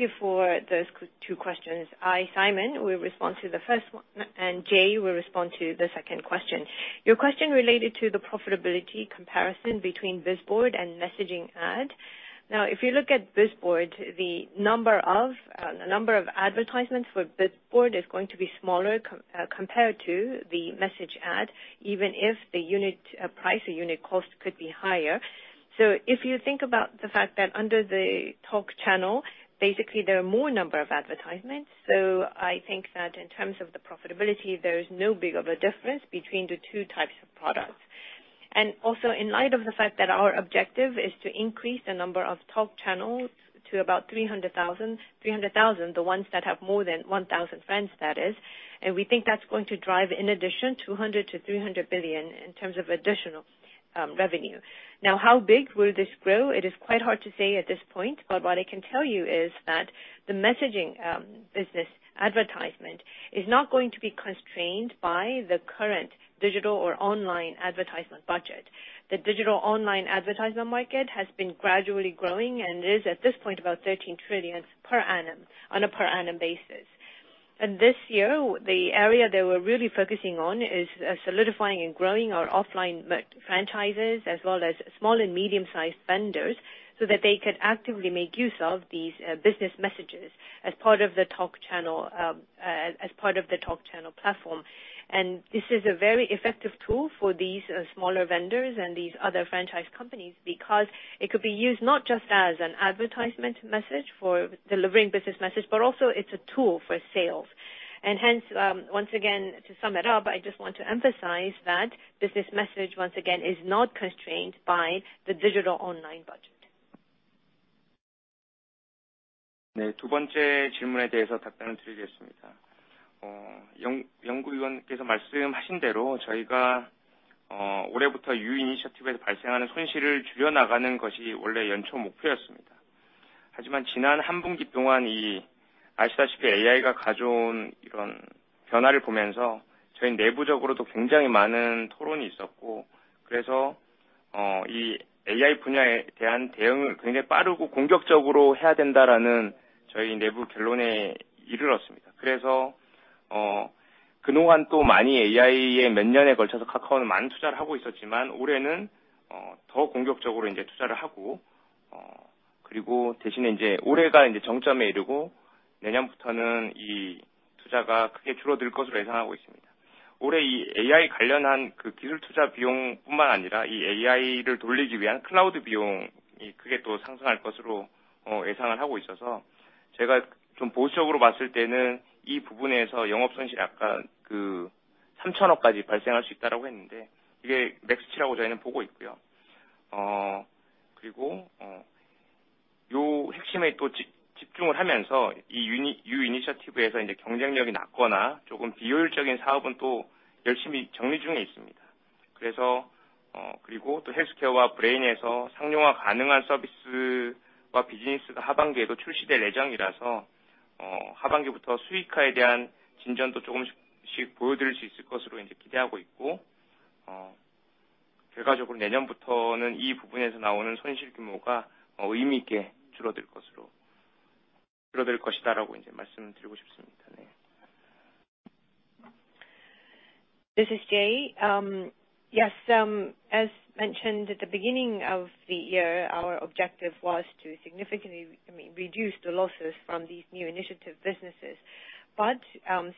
you for those 2 questions. I, Simon, will respond to the 1st one, and Jay will respond to the 2nd question. Your question related to the profitability comparison between BizBoard and messaging ad. If you look at BizBoard, the number of the number of advertisements for BizBoard is going to be smaller compared to the message ad, even if the unit price or unit cost could be higher. If you think about the fact that under the Talk channel, basically there are more number of advertisements, so I think that in terms of the profitability, there is no big of a difference between the 2 types of products. Also in light of the fact that our objective is to increase the number of Talk channels to about 300,000, 300,000, the ones that have more than 1,000 friends that is, and we think that's going to drive in addition 200 billion-300 billion in terms of additional revenue. How big will this grow? It is quite hard to say at this point, but what I can tell you is that the messaging business advertisement is not going to be constrained by the current digital or online advertisement budget. The digital online advertisement market has been gradually growing and is at this point about 13 trillion per annum, on a per annum basis. This year, the area that we're really focusing on is solidifying and growing our offline franchises, as well as small and medium-sized vendors, so that they can actively make use of these business messages as part of the Talk Channel, as part of the Talk Channel platform. This is a very effective tool for these smaller vendors and these other franchise companies because it could be used not just as an advertisement message for delivering business message, but also it's a tool for sales. Hence, once again, to sum it up, I just want to emphasize that this message once again is not constrained by the digital online budget. This is Jay. Yes, as mentioned at the beginning of the year, our objective was to significantly, I mean, reduce the losses from these new initiative businesses.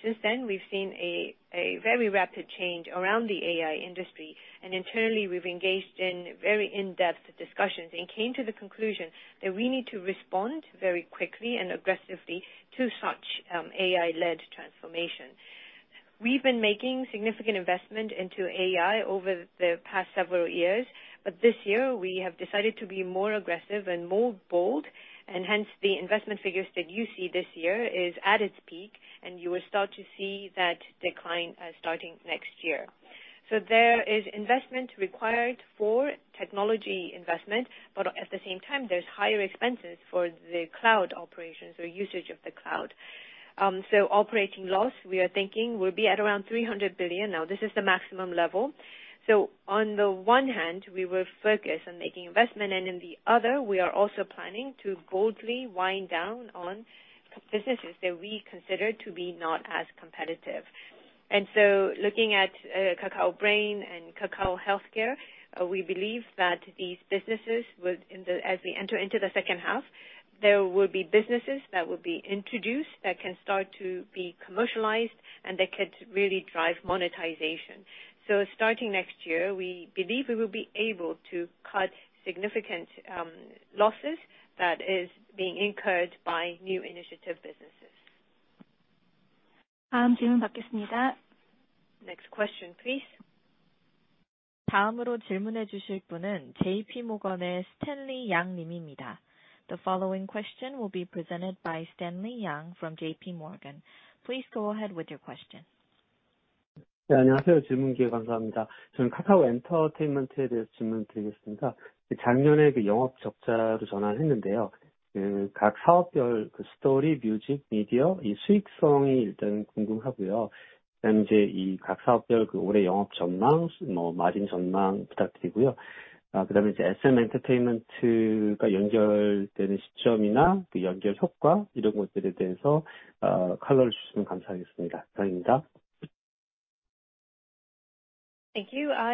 Since then, we've seen a very rapid change around the AI industry, and internally we've engaged in very in-depth discussions and came to the conclusion that we need to respond very quickly and aggressively to such AI-led transformation. We've been making significant investment into AI over the past several years, but this year we have decided to be more aggressive and more bold, and hence the investment figures that you see this year is at its peak, and you will start to see that decline starting next year. There is investment required for technology investment, but at the same time, there's higher expenses for the cloud operations or usage of the cloud. Operating loss, we are thinking will be at around 300 billion. Now, this is the maximum level. On the one hand, we will focus on making investment, and in the other, we are also planning to boldly wind down on businesses that we consider to be not as competitive. Looking at Kakao Brain and Kakao Healthcare, we believe that these businesses will, in the, as we enter into the second half, there will be businesses that will be introduced that can start to be commercialized and that could really drive monetization. Starting next year, we believe we will be able to cut significant losses that is being incurred by new initiative businesses. Next question, please. The following question will be presented by Stanley Yang from JP Morgan. Please go ahead with your question. Thank you. I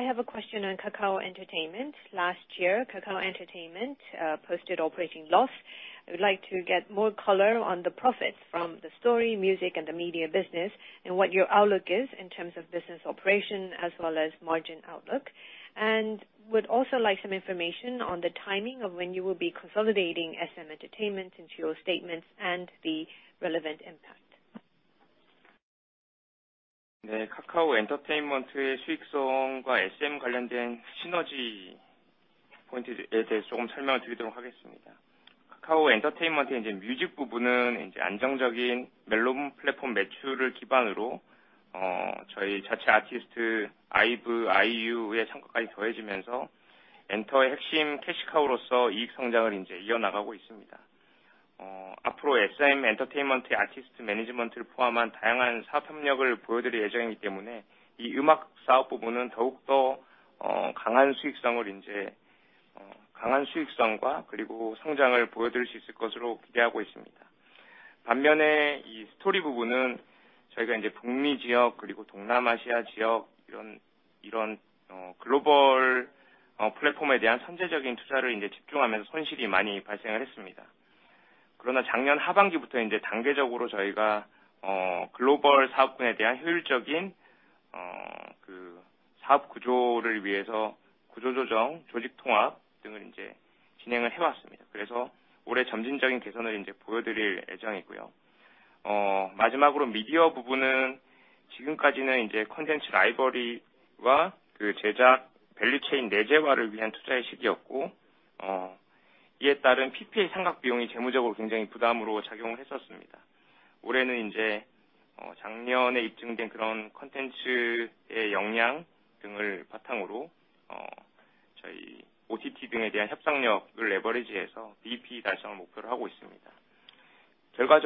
have a question on Kakao Entertainment. Last year, Kakao Entertainment posted operating loss. I would like to get more color on the profits from the story, music, and the media business and what your outlook is in terms of business operation as well as margin outlook, and would also like some information on the timing of when you will be consolidating SM Entertainment into your statements and the relevant impact. This is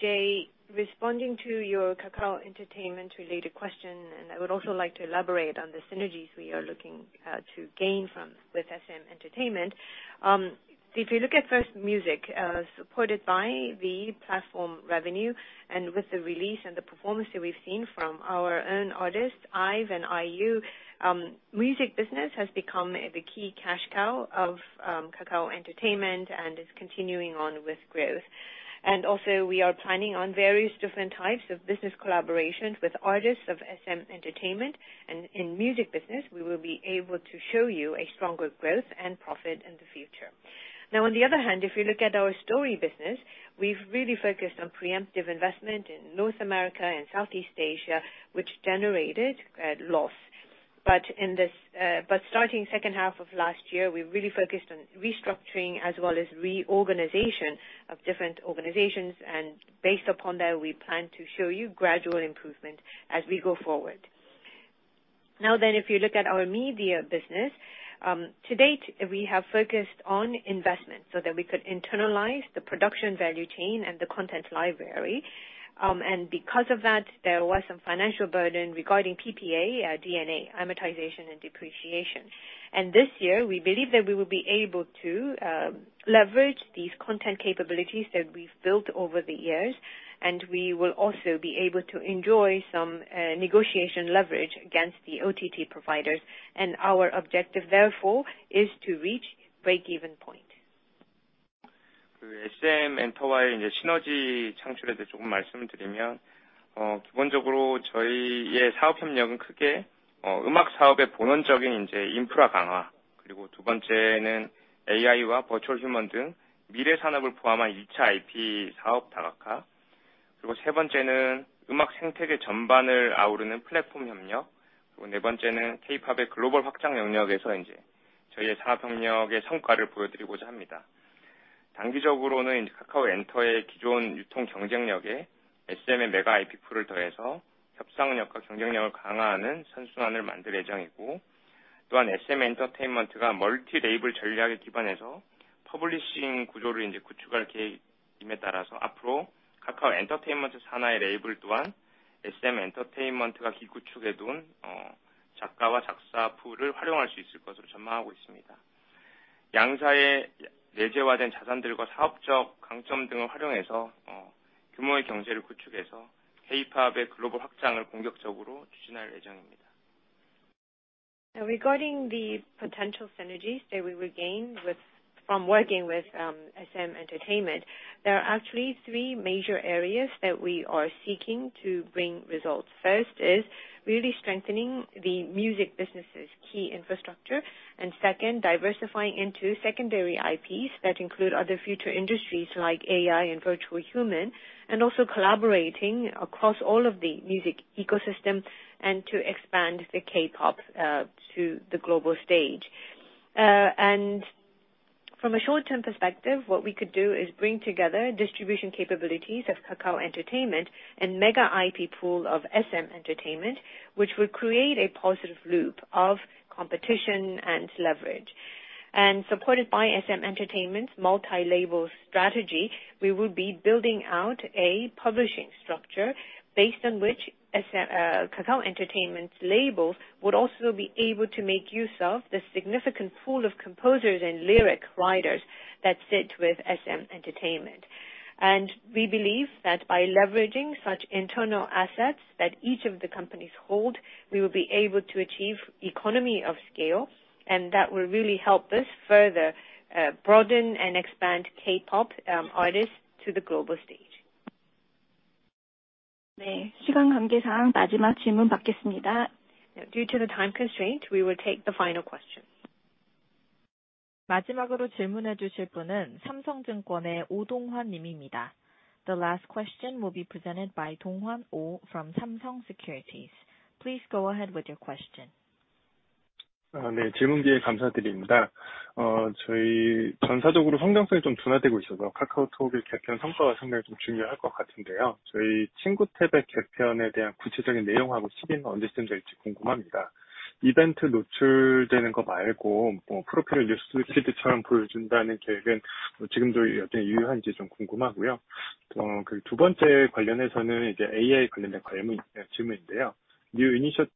Jay, responding to your Kakao Entertainment related question, and I would also like to elaborate on the synergies we are looking to gain from with SM Entertainment. If you look at first music, supported by the platform revenue and with the release and the performance that we've seen from our own artists, IVE and IU, music business has become the key cash cow of Kakao Entertainment and is continuing on with growth. Also, we are planning on various different types of business collaborations with artists of SM Entertainment. In music business, we will be able to show you a stronger growth and profit in the future. Now on the other hand, if you look at our story business, we've really focused on preemptive investment in North America and Southeast Asia, which generated a loss. Starting second half of last year, we really focused on restructuring as well as reorganization of different organizations. Based upon that, we plan to show you gradual improvement as we go forward. If you look at our media business, to date, we have focused on investment so that we could internalize the production value chain and the content library. Because of that, there was some financial burden regarding PPA, D&A amortization and depreciation. This year, we believe that we will be able to leverage these content capabilities that we've built over the years, and we will also be able to enjoy some negotiation leverage against the OTT providers. Our objective, therefore, is to reach break-even point. Regarding the potential synergies that we will gain from working with SM Entertainment, there are actually three major areas that we are seeking to bring results. First is really strengthening the music business' key infrastructure. Second, diversifying into secondary IPs that include other future industries like AI and virtual human. Also collaborating across all of the music ecosystem and to expand the K-pop to the global stage. From a short-term perspective, what we could do is bring together distribution capabilities of Kakao Entertainment and mega IP pool of SM Entertainment, which would create a positive loop of competition and leverage. Supported by SM Entertainment's multi-label strategy, we will be building out a publishing structure based on which Kakao Entertainment labels would also be able to make use of the significant pool of composers and lyric writers that sit with SM Entertainment. We believe that by leveraging such internal assets that each of the companies hold, we will be able to achieve economy of scale, and that will really help us further broaden and expand K-pop artists to the global stage. 네, 시간 관계상 마지막 질문 받겠습니다. Due to the time constraint, we will take the final question. 마지막으로 질문해 주실 분은 삼성증권의 오동환 님입니다. The last question will be presented by Donghwan Oh from Samsung Securities. Please go ahead with your question. 네. 질문 기회 감사드립니다. 저희 전사적으로 성장성이 좀 둔화되고 있어서 KakaoTalk의 개편 성과가 상당히 좀 중요할 것 같은데요. 저희 Friends tab의 개편에 대한 구체적인 내용하고 시기는 언제쯤 될지 궁금합니다. 이벤트 노출되는 거 말고, 프로필 뉴스피드처럼 보여준다는 계획은 지금도 여전히 유효한지 좀 궁금하고요. 그두 번째 관련해서는 이제 AI 관련된 관련 질문인데요. New Initiative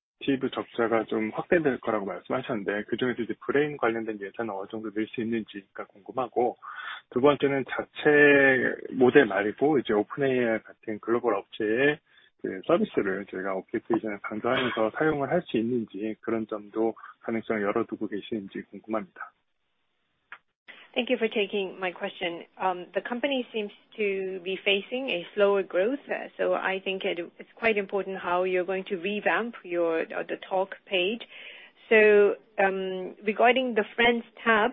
적자가 좀 확대될 거라고 말씀하셨는데, 그중에서 이제 Brain 관련된 예산은 어느 정도 늘수 있는지가 궁금하고, 두 번째는 자체 모델 말고 이제 OpenAI 같은 글로벌 업체의 서비스를 저희가 application에 간접적으로 사용을 할수 있는지, 그런 점도 가능성을 열어두고 계시는지 궁금합니다. Thank you for taking my question. The company seems to be facing a slower growth. I think it's quite important how you're going to revamp your the Talk page. Regarding the Friends tab,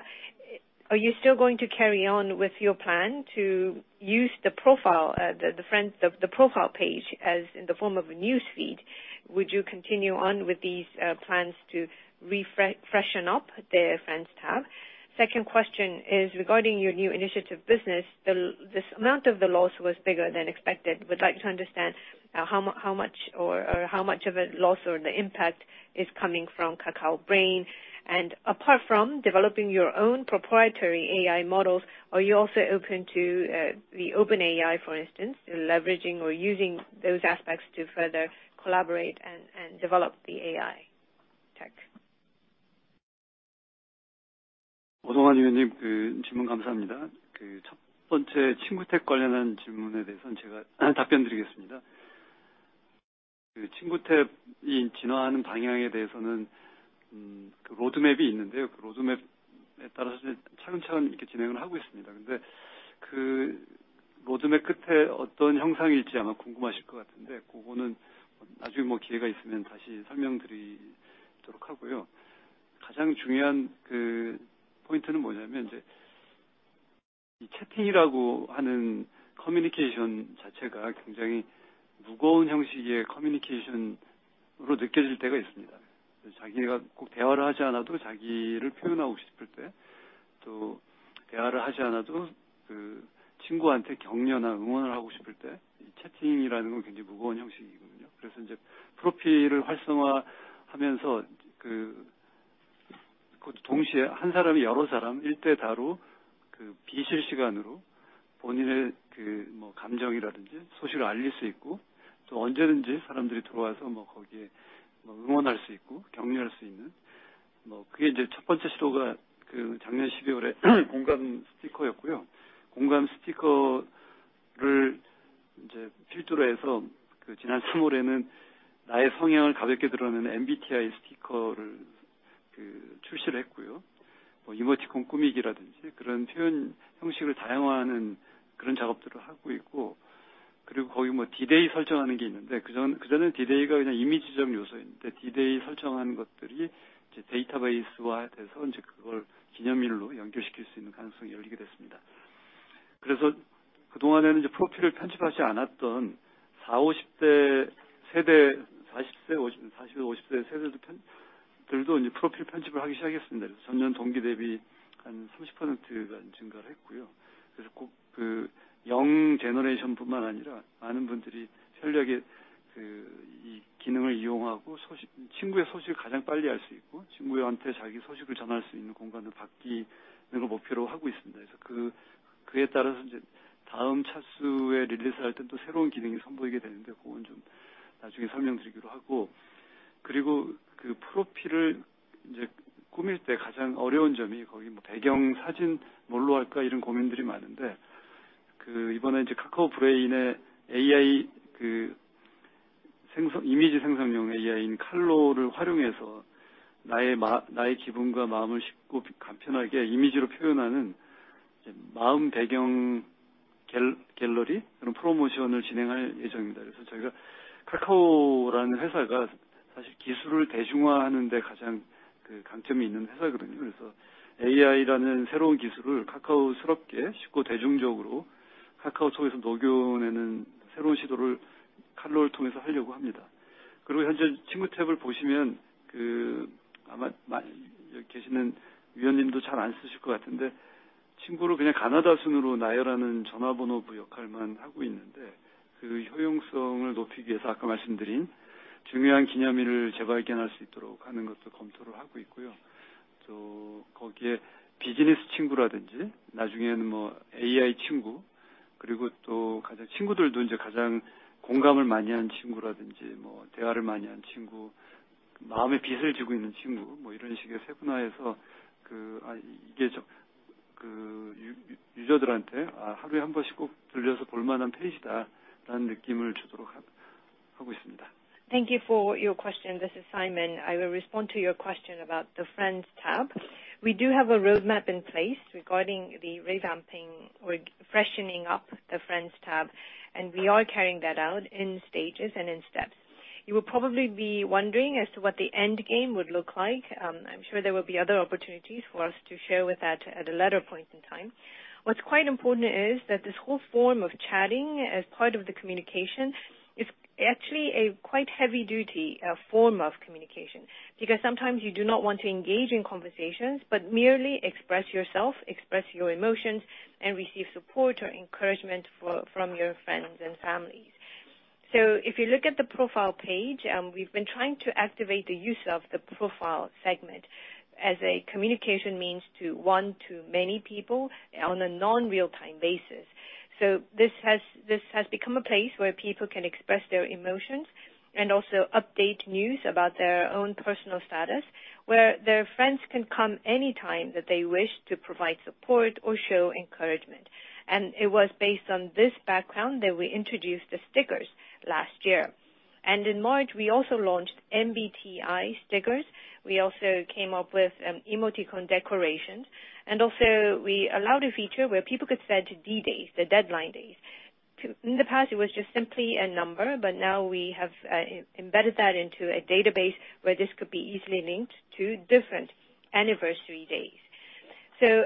are you still going to carry on with your plan to use the profile page as in the form of a newsfeed? Would you continue on with these plans to freshen up the Friends tab? Second question is regarding your new initiative business. This amount of the loss was bigger than expected. Would like to understand how much or how much of a loss or the impact is coming from Kakao Brain. Apart from developing your own proprietary AI models, are you also open to the OpenAI, for instance, leveraging or using those aspects to further collaborate and develop the AI tech? Donghwan Oh 위원님, 질문 감사합니다. 첫 번째 Friends tab 관련한 질문에 대해선 제가 답변드리겠습니다. Friends tab이 진화하는 방향에 대해서는, 로드맵이 있는데요. 로드맵에 따라서 차근차근 이렇게 진행을 하고 있습니다. 근데 로드맵 끝에 어떤 형상일지 아마 궁금하실 것 같은데 그거는 나중에 기회가 있으면 다시 설명드리도록 하고요. 가장 중요한 포인트는 뭐냐면, 이제, 채팅이라고 하는 커뮤니케이션 자체가 굉장히 무거운 형식의 커뮤니케이션으로 느껴질 때가 있습니다. 자기가 꼭 대화를 하지 않아도 자기를 표현하고 싶을 때, 또 대화를 하지 않아도, 친구한테 격려나 응원을 하고 싶을 때, 채팅이라는 건 굉장히 무거운 형식이거든요. 그래서 이제 프로필을 활성화하면서, 그것도 동시에 한 사람이 여러 사람 일대다로, 비실시간으로 본인의, 감정이라든지 소식을 알릴 수 있고, 또 언제든지 사람들이 들어와서, 거기에, 응원할 수 있고 격려할 수 있는, 그게 이제 첫 번째 시도가, 작년 12월에 공감 스티커였고요. 공감 스티커를, 이제, 필두로 해서 지난 March에는 나의 성향을 가볍게 드러내는 MBTI stickers를 출시를 했고요. 이모티콘 꾸미기라든지 그런 표현 형식을 다양화하는 그런 작업들을 하고 있고, 거의 D-Day 설정하는 게 있는데 그전에는 D-Day가 그냥 이미지적 요소였는데 D-Day 설정한 것들이, 이제, 데이터베이스화돼서 이제 그걸 기념일로 연결시킬 수 있는 가능성이 열리게 됐습니다. 그동안에는, 이제, 프로필을 편집하지 않았던 40s-50s generation, 40s, 50s, 40s, 50s generation 편들도, 이제, 프로필 편집을 하기 시작했습니다. YOY 한 30%가 증가를 했고요. 꼭 young generation뿐만 아니라 많은 분들이 현력의 이 기능을 이용하고 소식, 친구의 소식을 가장 빨리 알수 있고, 친구한테 자기 소식을 전할 수 있는 공간으로 바뀌는 걸 목표로 하고 있습니다. 그에 따라서, 이제, 다음 차수에 release할 땐또 새로운 기능을 선보이게 되는데 그건 좀 나중에 설명드리기로 하고. 그 프로필을 꾸밀 때 가장 어려운 점이 거기 배경 사진 뭘로 할까? 이런 고민들이 많은데. 이번에 Kakao Brain의 AI 이미지 생성용 AI인 Karlo를 활용해서 나의 기분과 마음을 쉽고 간편하게 이미지로 표현하는 마음 배경 갤러리 그런 프로모션을 진행할 예정입니다. 저희가 Kakao라는 회사가 사실 기술을 대중화하는 데 가장 강점이 있는 회사거든요. AI라는 새로운 기술을 카카오스럽게 쉽고 대중적으로 KakaoTalk에서 녹여내는 새로운 시도를 Karlo를 통해서 하려고 합니다. 현재 친구 탭을 보시면, 아마 여기 계시는 위원님도 잘안 쓰실 것 같은데 친구를 그냥 가나다 순으로 나열하는 전화번호부 역할만 하고 있는데, 그 효용성을 높이기 위해서 아까 말씀드린 중요한 기념일을 재발견할 수 있도록 하는 것도 검토를 하고 있고요. 거기에 비즈니스 친구라든지 나중에는 뭐, AI 친구, 그리고 또 가장 친구들도 이제 가장 공감을 많이 한 친구라든지, 뭐, 대화를 많이 한 친구, 마음에 빚을 지고 있는 친구, 뭐, 이런 식으로 세분화해서, 유저들한테 하루에 한 번씩 꼭 들러서 볼 만한 페이지다라는 느낌을 주도록 하고 있습니다. Thank you for your question. This is Simon. I will respond to your question about the Friends tab. We do have a roadmap in place regarding the revamping or freshening up the Friends tab, and we are carrying that out in stages and in steps. You will probably be wondering as to what the end game would look like. I'm sure there will be other opportunities for us to share with that at a later point in time. What's quite important is that this whole form of chatting as part of the communication is actually a quite heavy duty form of communication because sometimes you do not want to engage in conversations, but merely express yourself, express your emotions, and receive support or encouragement from your friends and families. If you look at the profile page, we've been trying to activate the use of the profile segment as a communication means to one-to-many people on a non-real time basis. This has become a place where people can express their emotions and also update news about their own personal status, where their friends can come anytime that they wish to provide support or show encouragement. It was based on this background that we introduced the stickers last year. In March, we also launched MBTI stickers. We also came up with emoticon decorations, and also we allowed a feature where people could set D-days, the deadline days. In the past, it was just simply a number, but now we have embedded that into a database where this could be easily linked to different anniversary days.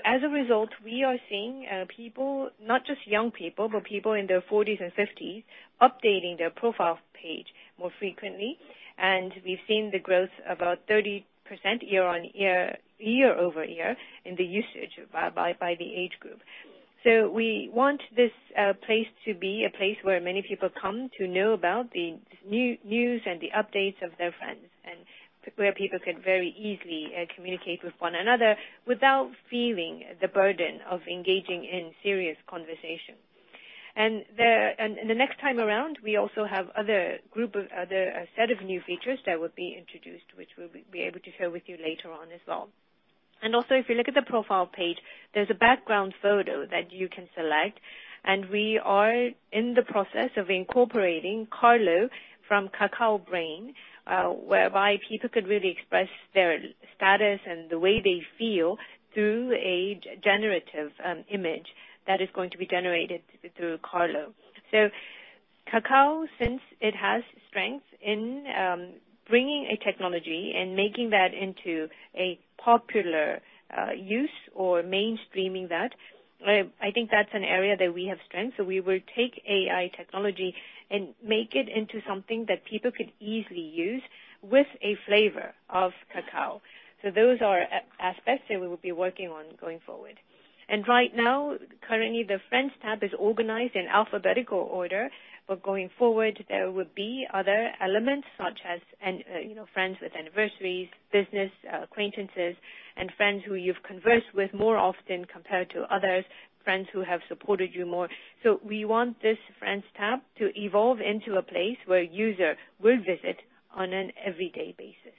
As a result, we are seeing people, not just young people, but people in their 40s and 50s updating their profile page more frequently. We've seen the growth about 30% year-on-year, year-over-year in the usage by the age group. We want this place to be a place where many people come to know about the news and the updates of their friends, and where people can very easily communicate with one another without feeling the burden of engaging in serious conversation. The next time around, we also have other group of other, a set of new features that will be introduced, which we'll be able to share with you later on as well. If you look at the profile page, there's a background photo that you can select, and we are in the process of incorporating Karlo from Kakao Brain, whereby people could really express their status and the way they feel through a generative image that is going to be generated through Karlo. Kakao, since it has strength in bringing a technology and making that into a popular use or mainstreaming that, I think that's an area that we have strength. We will take AI technology and make it into something that people could easily use with a flavor of Kakao. Those are aspects that we will be working on going forward. Right now, currently the Friends tab is organized in alphabetical order. Going forward, there will be other elements such as, you know, friends with anniversaries, business acquaintances and friends who you've conversed with more often compared to others, friends who have supported you more. We want this Friends tab to evolve into a place where user will visit on an everyday basis.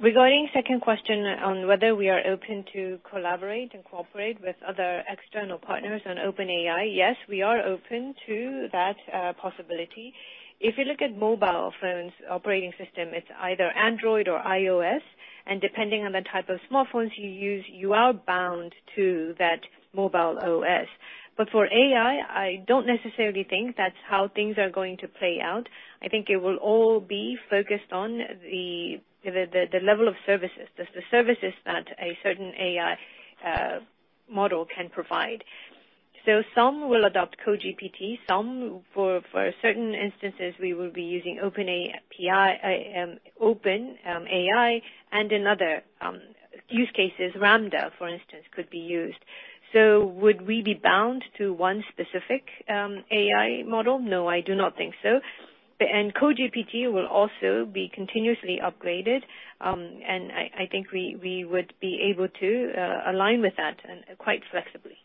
Regarding second question on whether we are open to collaborate and cooperate with other external partners on OpenAI, yes, we are open to that possibility. If you look at mobile phones operating system, it's either Android or iOS. Depending on the type of smartphones you use, you are bound to that mobile OS. For AI, I don't necessarily think that's how things are going to play out. I think it will all be focused on the level of services, the services that a certain AI model can provide. Some will adopt KoGPT, some for certain instances, we will be using OpenAI, and in other use cases, LaMDA, for instance, could be used. Would we be bound to one specific AI model? No, I do not think so. KoGPT will also be continuously upgraded, and I think we would be able to align with that and quite flexibly.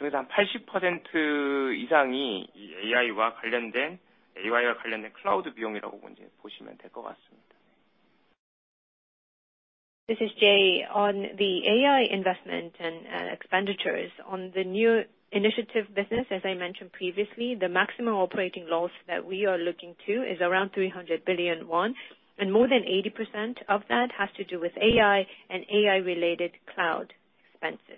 This is Jay. On the AI investment and expenditures on the new initiative business, as I mentioned previously, the maximum operating loss that we are looking to is around 300 billion won, and more than 80% of that has to do with AI and AI-related cloud expenses.